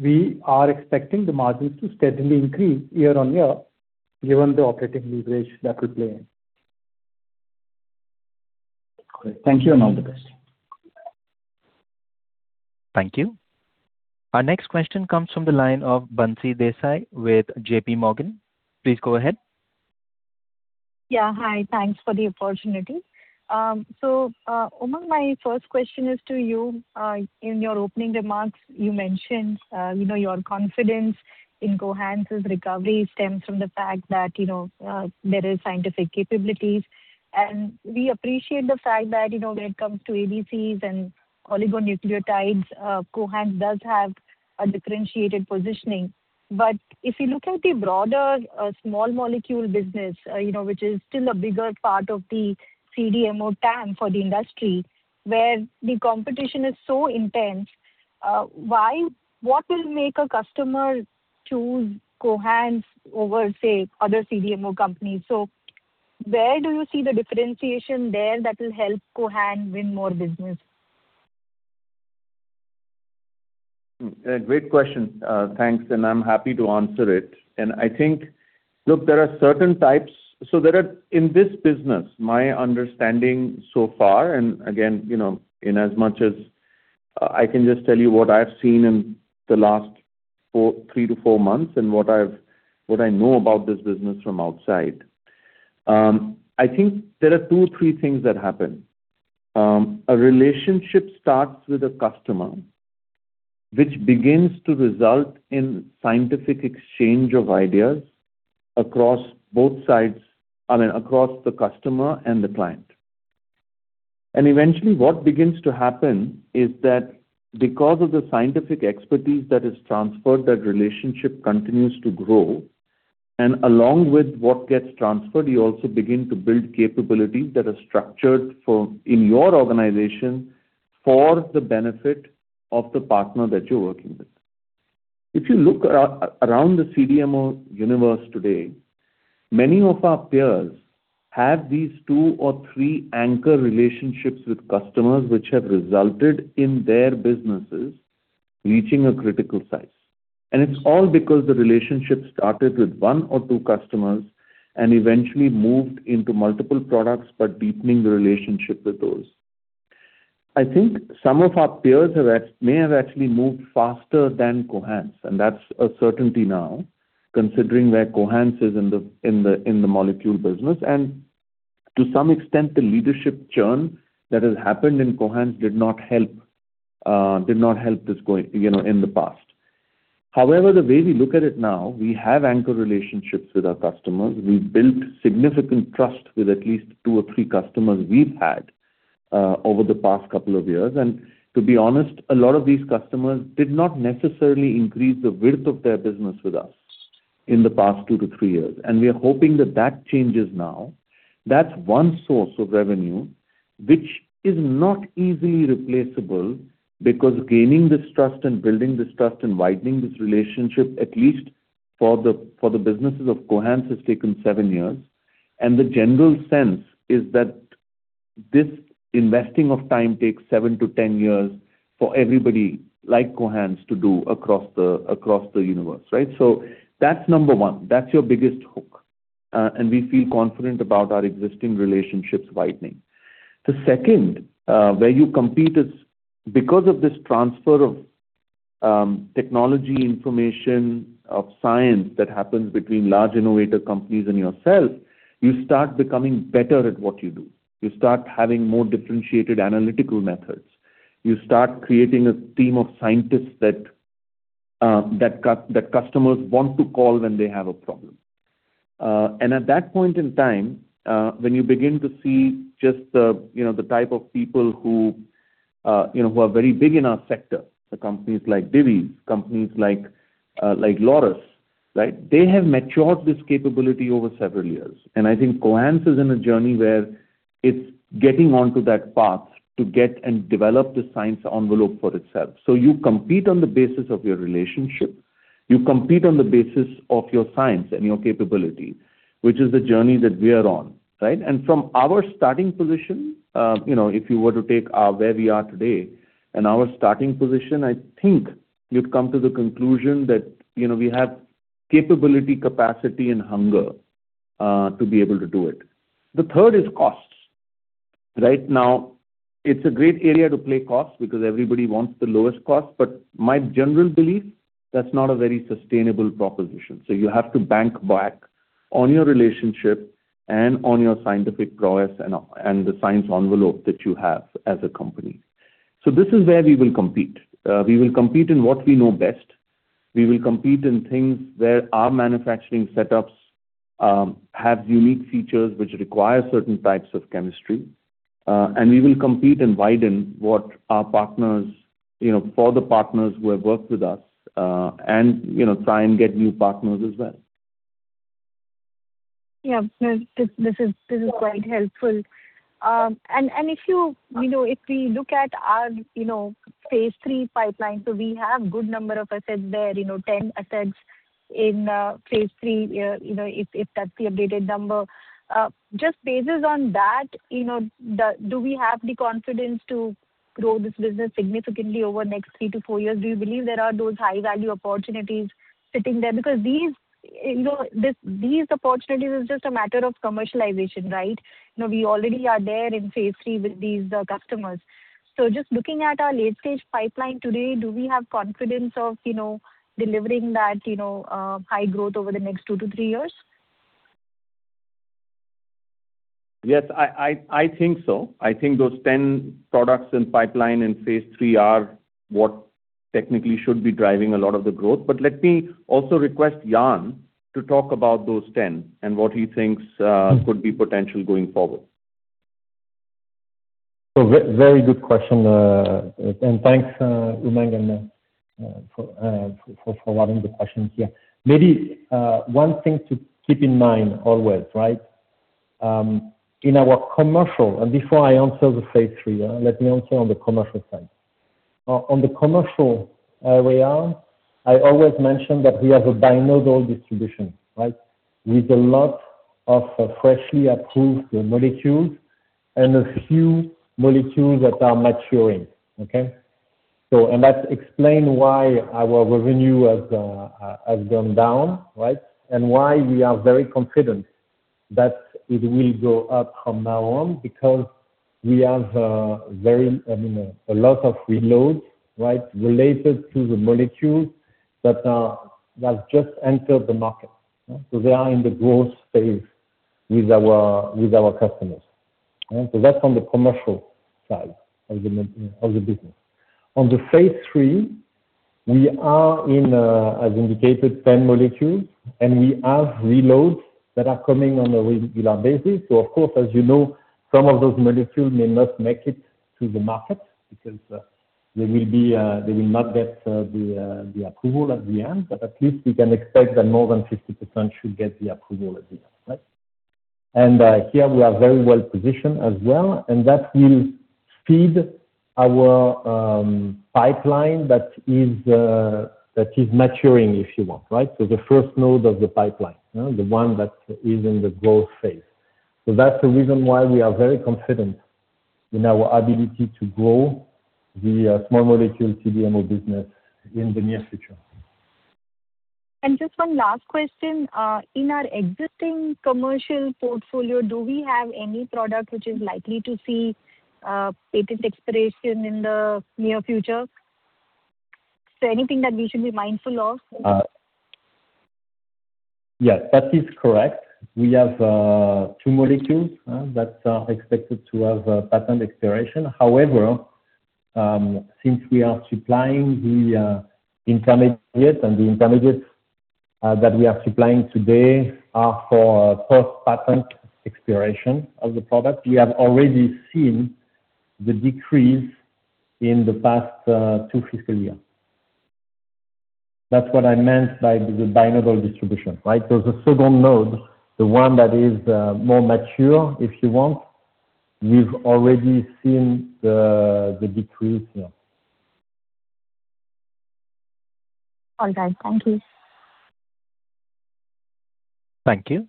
we are expecting the margins to steadily increase year-on-year given the operating leverage that will play in. Great. Thank you, and all the best. Thank you. Our next question comes from the line of Bansi Desai with JPMorgan. Please go ahead. Yeah. Hi. Thanks for the opportunity. Umang, my first question is to you. In your opening remarks, you mentioned your confidence in Cohance's recovery stems from the fact that there is scientific capabilities. We appreciate the fact that when it comes to ADCs and oligonucleotides, Cohance does have a differentiated positioning. If you look at the broader, small molecule business, which is still a bigger part of the CDMO TAM for the industry, where the competition is so intense, what will make a customer choose Cohance over, say, other CDMO companies? Where do you see the differentiation there that will help Cohance win more business? Great question. Thanks. I'm happy to answer it. I think, look, there are in this business, my understanding so far, and again, in as much as I can just tell you what I've seen in the last three to four months and what I know about this business from outside. I think there are two or three things that happen. A relationship starts with a customer, which begins to result in scientific exchange of ideas across both sides. I mean, across the customer and the client. Eventually what begins to happen is that because of the scientific expertise that is transferred, that relationship continues to grow Along with what gets transferred, you also begin to build capabilities that are structured in your organization for the benefit of the partner that you're working with. If you look around the CDMO universe today, many of our peers have these two or three anchor relationships with customers which have resulted in their businesses reaching a critical size. It's all because the relationship started with one or two customers and eventually moved into multiple products by deepening the relationship with those. I think some of our peers may have actually moved faster than Cohance, and that's a certainty now considering where Cohance is in the molecule business, and to some extent, the leadership churn that has happened in Cohance did not help this in the past. However, the way we look at it now, we have anchor relationships with our customers. We've built significant trust with at least two or three customers we've had over the past couple of years. To be honest, a lot of these customers did not necessarily increase the width of their business with us in the past two to three years, and we are hoping that that changes now. That's one source of revenue, which is not easily replaceable because gaining this trust and building this trust and widening this relationship, at least for the businesses of Cohance, has taken seven years. The general sense is that this investing of time takes seven to 10 years for everybody like Cohance to do across the universe, right? That's number one. That's your biggest hook. We feel confident about our existing relationships widening. The second, where you compete is because of this transfer of technology, information, of science that happens between large innovator companies and yourself, you start becoming better at what you do. You start having more differentiated analytical methods. You start creating a team of scientists that customers want to call when they have a problem. At that point in time, when you begin to see just the type of people who are very big in our sector, companies like Divi's, companies like Laurus. They have matured this capability over several years. I think Cohance is in a journey where it's getting onto that path to get and develop the science envelope for itself. You compete on the basis of your relationship. You compete on the basis of your science and your capability, which is the journey that we are on, right? From our starting position, if you were to take where we are today and our starting position, I think you'd come to the conclusion that we have capability, capacity, and hunger to be able to do it. The third is costs. Right now, it's a great area to play costs because everybody wants the lowest cost. My general belief, that's not a very sustainable proposition. You have to bank back on your relationship and on your scientific prowess and the science envelope that you have as a company. This is where we will compete. We will compete in what we know best. We will compete in things where our manufacturing setups have unique features which require certain types of chemistry. We will compete and widen for the partners who have worked with us, and try and get new partners as well. This is quite helpful. If we look at our phase III pipeline, we have good number of assets there, 10 assets in phase III, if that's the updated number. Just bases on that, do we have the confidence to grow this business significantly over next three to four years? Do you believe there are those high-value opportunities sitting there? Because these opportunities is just a matter of commercialization, right? We already are there in phase III with these customers. Just looking at our late-stage pipeline today, do we have confidence of delivering that high growth over the next two to three years? Yes, I think so. I think those 10 products in pipeline in phase III are what technically should be driving a lot of the growth. Let me also request Yann to talk about those 10 and what he thinks could be potential going forward. Very good question. Thanks, Umang and Ne, for allowing the questions here. Maybe one thing to keep in mind always, right? In our commercial, before I answer the phase III, let me answer on the commercial side. On the commercial area, I always mention that we have a bimodal distribution, right? With a lot of freshly approved molecules and a few molecules that are maturing. That explain why our revenue has gone down, right? Why we are very confident that it will go up from now on because we have a lot of reloads, right? Related to the molecules that have just entered the market. They are in the growth phase with our customers. That's on the commercial side of the business. On the phase III, we are in, as indicated, 10 molecules, and we have reloads that are coming on a regular basis. Of course, as you know, some of those molecules may not make it to the market because they will not get the approval at the end, but at least we can expect that more than 50% should get the approval at the end. Here we are very well positioned as well, and that will feed our pipeline that is maturing, if you want. The first node of the pipeline, the one that is in the growth phase. That's the reason why we are very confident in our ability to grow the small molecule CDMO business in the near future. Just one last question. In our existing commercial portfolio, do we have any product which is likely to see a patent expiration in the near future? Is there anything that we should be mindful of? Yes, that is correct. We have two molecules that are expected to have patent expiration. However, since we are supplying the intermediates, and the intermediates that we are supplying today are for post-patent expiration of the product, we have already seen the decrease in the past two fiscal years. That's what I meant by the bimodal distribution. The second node, the one that is more mature, if you want, we've already seen the decrease here. All right. Thank you. Thank you.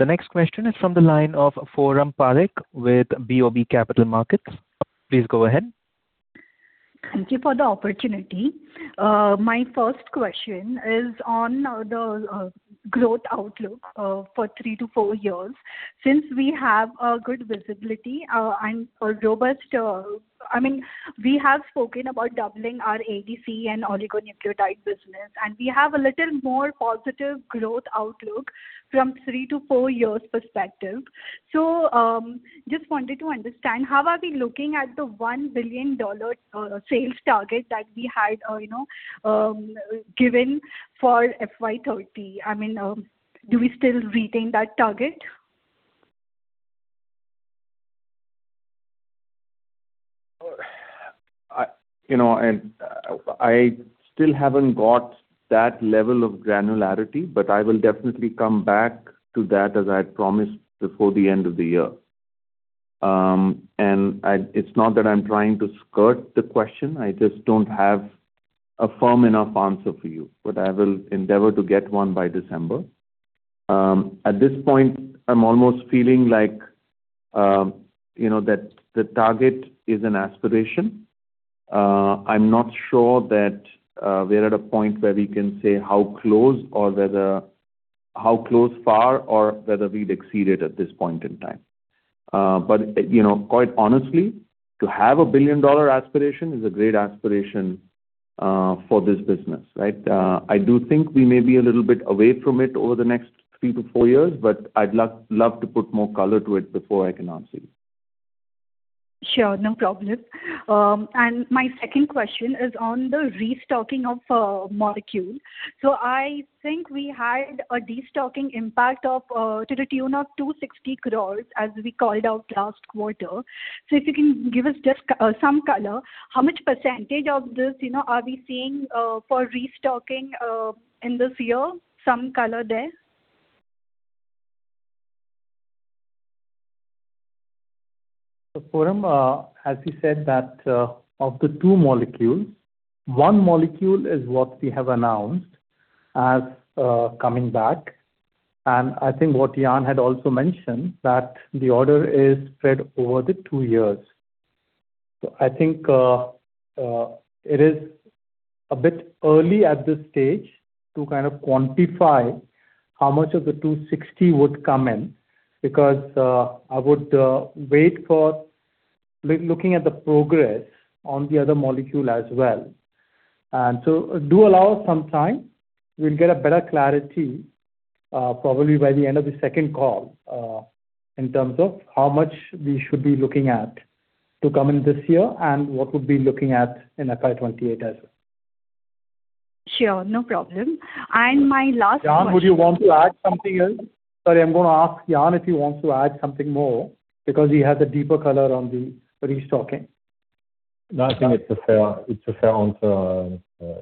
The next question is from the line of Foram Parekh with BoB Capital Markets. Please go ahead. Thank you for the opportunity. My first question is on the growth outlook for three to four years. Since we have a good visibility and We have spoken about doubling our ADC and oligonucleotide business, and we have a little more positive growth outlook from three to four years perspective. Just wanted to understand, how are we looking at the INR 1 billion sales target that we had given for FY 2030? Do we still retain that target? I still haven't got that level of granularity, I will definitely come back to that, as I had promised before the end of the year. It's not that I'm trying to skirt the question, I just don't have a firm enough answer for you, I will endeavor to get one by December. At this point, I'm almost feeling like the target is an aspiration. I'm not sure that we're at a point where we can say how close far, or whether we'd exceed it at this point in time. Quite honestly, to have a billion-dollar aspiration is a great aspiration for this business. I do think we may be a little bit away from it over the next three to four years, I'd love to put more color to it before I can answer you. Sure. No problem. My second question is on the restocking of molecules. I think we had a destocking impact to the tune of 260 crore as we called out last quarter. If you can give us just some color, how much percent of this are we seeing for restocking in this year? Some color there. Foram, as we said that of the two molecules, one molecule is what we have announced as coming back, and I think what Yann had also mentioned, that the order is spread over the two years. I think it is a bit early at this stage to quantify how much of the 260 would come in because I would wait for looking at the progress on the other molecule as well. Do allow some time. We'll get a better clarity probably by the end of the second call in terms of how much we should be looking at to come in this year and what we'll be looking at in FY 2028 as well. Sure. No problem. My last question. Yann, would you want to add something else? Sorry, I'm going to ask Yann if he wants to add something more because he has a deeper color on the restocking. I think it's a fair answer,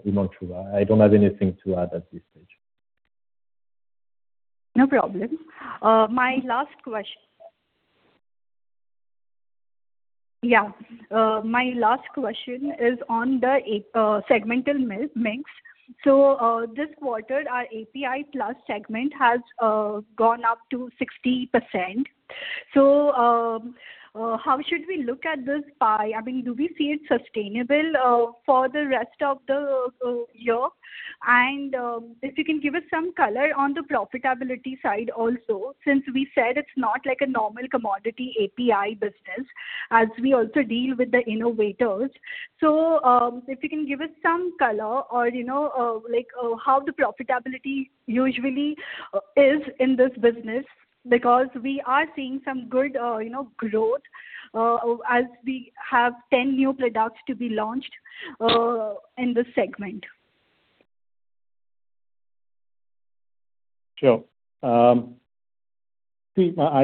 Himanshu. I don't have anything to add at this stage. No problem. My last question is on the segmental mix. This quarter, our API Plus segment has gone up to 60%. How should we look at this pie? Do we see it sustainable for the rest of the year? If you can give us some color on the profitability side also, since we said it's not like a normal commodity API business, as we also deal with the innovators. If you can give us some color or how the profitability usually is in this business, because we are seeing some good growth as we have 10 new products to be launched in this segment. Sure. I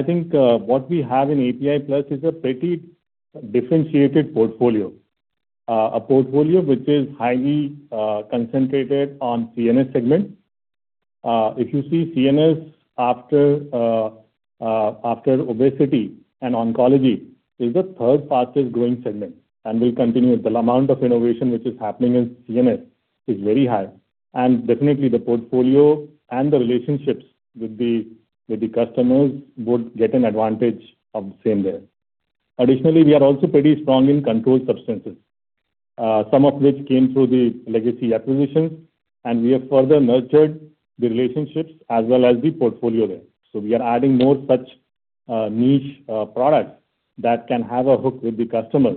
think what we have in API Plus is a pretty differentiated portfolio. A portfolio which is highly concentrated on CNS segment. If you see CNS after obesity and oncology, is the third fastest-growing segment, and will continue. The amount of innovation which is happening in CNS is very high, and definitely the portfolio and the relationships with the customers would get an advantage of the same there. Additionally, we are also pretty strong in controlled substances, some of which came through the legacy acquisitions, and we have further nurtured the relationships as well as the portfolio there. We are adding more such niche products that can have a hook with the customer,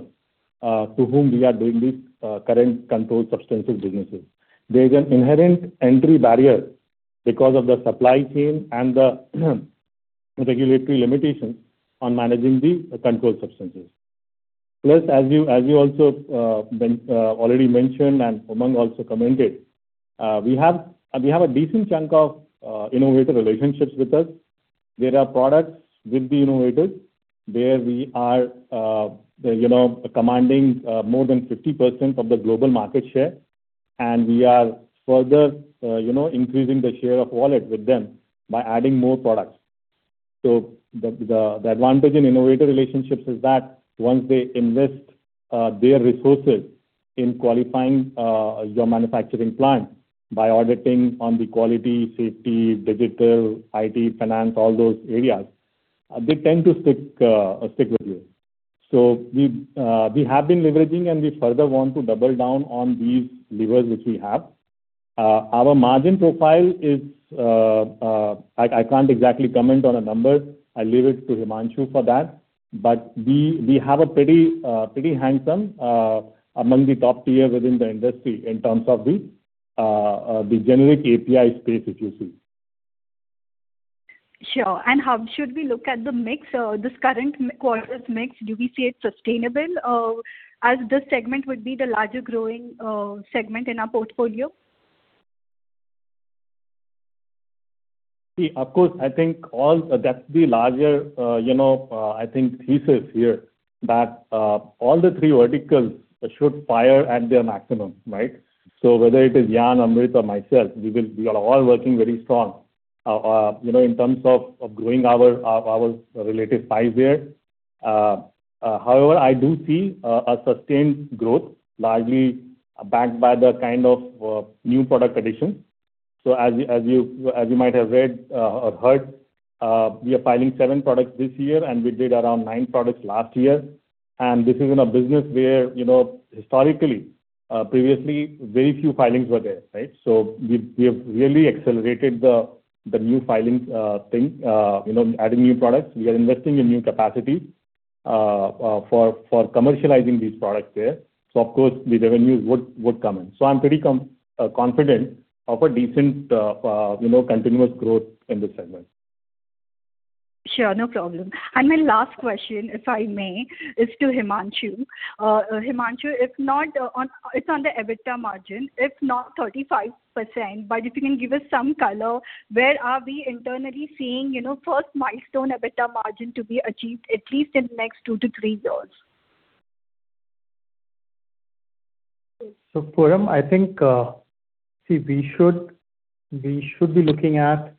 to whom we are doing these current controlled substances businesses. There is an inherent entry barrier because of the supply chain and the regulatory limitations on managing the controlled substances. As you also already mentioned, Umang also commented, we have a decent chunk of innovative relationships with us. There are products with the innovators where we are commanding more than 50% of the global market share, and we are further increasing the share of wallet with them by adding more products. The advantage in innovative relationships is that once they invest their resources in qualifying your manufacturing plant by auditing on the quality, safety, digital, IT, finance, all those areas, they tend to stick with you. We have been leveraging, and we further want to double down on these levers which we have. Our margin profile is I can't exactly comment on a number. I'll leave it to Himanshu for that. We have a pretty handsome among the top tier within the industry in terms of the generic API space, if you see. Sure. How should we look at the mix, this current quarter's mix? Do we see it sustainable, as this segment would be the larger growing segment in our portfolio? Of course, I think that's the larger thesis here, that all the three verticals should fire at their maximum, right? Whether it is Yann, Amrit, or myself, we are all working very strong in terms of growing our relative pies there. However, I do see a sustained growth, largely backed by the kind of new product addition. As you might have read or heard, we are filing seven products this year, and we did around nine products last year. This is in a business where historically, previously, very few filings were there, right? We have really accelerated the new filings thing adding new products. We are investing in new capacity for commercializing these products there. Of course, the revenues would come in. I'm pretty confident of a decent continuous growth in this segment. Sure, no problem. My last question, if I may, is to Himanshu. Himanshu, it's on the EBITDA margin. If not 35%, but if you can give us some color, where are we internally seeing first milestone EBITDA margin to be achieved, at least in the next two to three years? Foram, I think, we should be looking at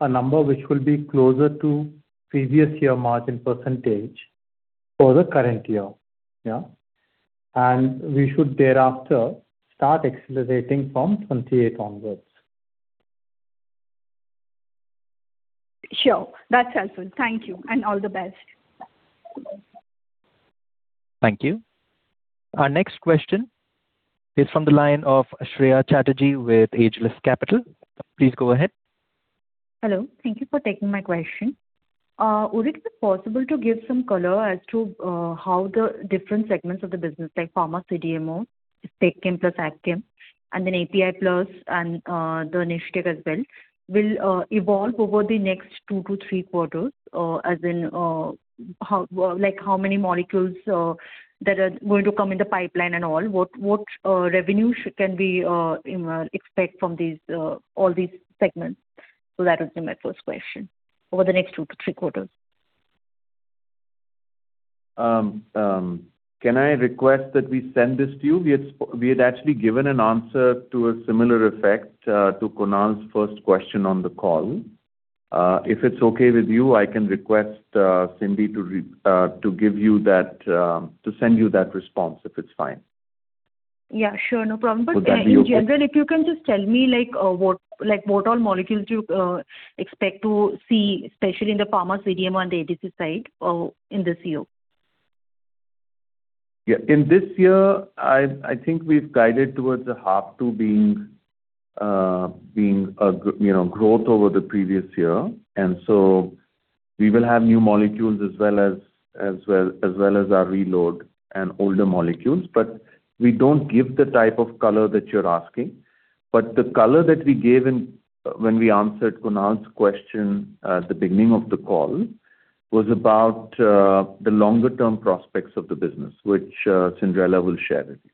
a number which will be closer to previous year margin percentage for the current year. Yeah. We should thereafter start accelerating from 28 onwards. Sure. That's helpful. Thank you, and all the best. Thank you. Our next question is from the line of Shreya Chatterjee with Ageless Capital. Please go ahead. Hello. Thank you for taking my question. Would it be possible to give some color as to how the different segments of the business, like Pharma CDMO, SpecChem plus AgChem, and then API Plus and the Niche Chem as well, will evolve over the next two to three quarters? How many molecules that are going to come in the pipeline and all, what revenue can we expect from all these segments? That would be my first question. Over the next two to three quarters. Can I request that we send this to you? We had actually given an answer to a similar effect to Kunal's first question on the call. If it's okay with you, I can request Cindy to send you that response, if it's fine. Yeah, sure. No problem. Would that be okay? In general, if you can just tell me what all molecules you expect to see, especially in the Pharma CDMO and ADC side in this year. In this year, I think we've guided towards the half to being growth over the previous year, we will have new molecules as well as our reload and older molecules. We don't give the type of color that you're asking. The color that we gave when we answered Kunal's question at the beginning of the call was about the longer-term prospects of the business, which Cyndrella will share with you.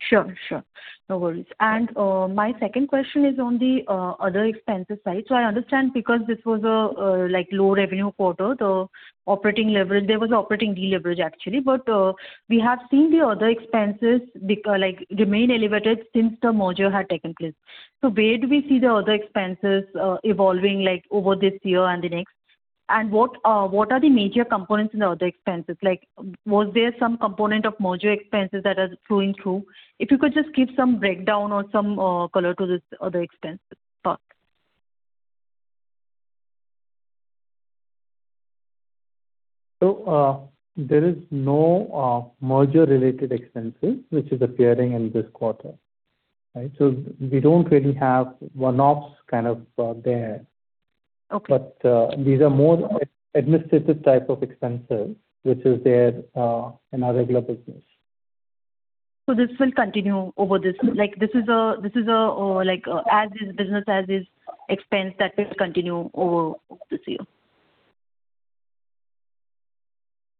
Sure. No worries. My second question is on the other expenses side. I understand because this was a low revenue quarter, there was operating deleverage actually, we have seen the other expenses remain elevated since the merger had taken place. Where do we see the other expenses evolving over this year and the next, and what are the major components in the other expenses? Was there some component of merger expenses that are flowing through? If you could just give some breakdown or some color to this other expense part. there is no merger-related expenses which is appearing in this quarter, right? we don't really have one-offs kind of there. Okay. these are more administrative type of expenses, which is there in our regular business. this will continue over this Like as-is business, as-is expense that will continue over this year.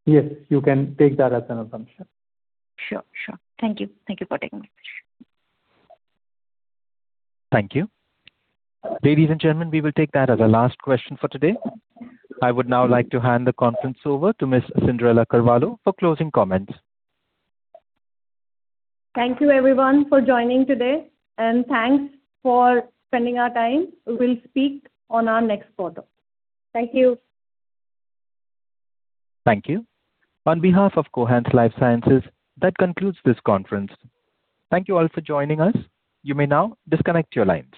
Yes. You can take that as an assumption. Sure. Thank you. Thank you for taking my question. Thank you. Ladies and gentlemen, we will take that as our last question for today. I would now like to hand the conference over to Ms. Cyndrella Carvalho for closing comments. Thank you everyone for joining today, and thanks for spending our time. We'll speak on our next quarter. Thank you. Thank you. On behalf of Cohance Lifesciences, that concludes this conference. Thank you all for joining us. You may now disconnect your lines.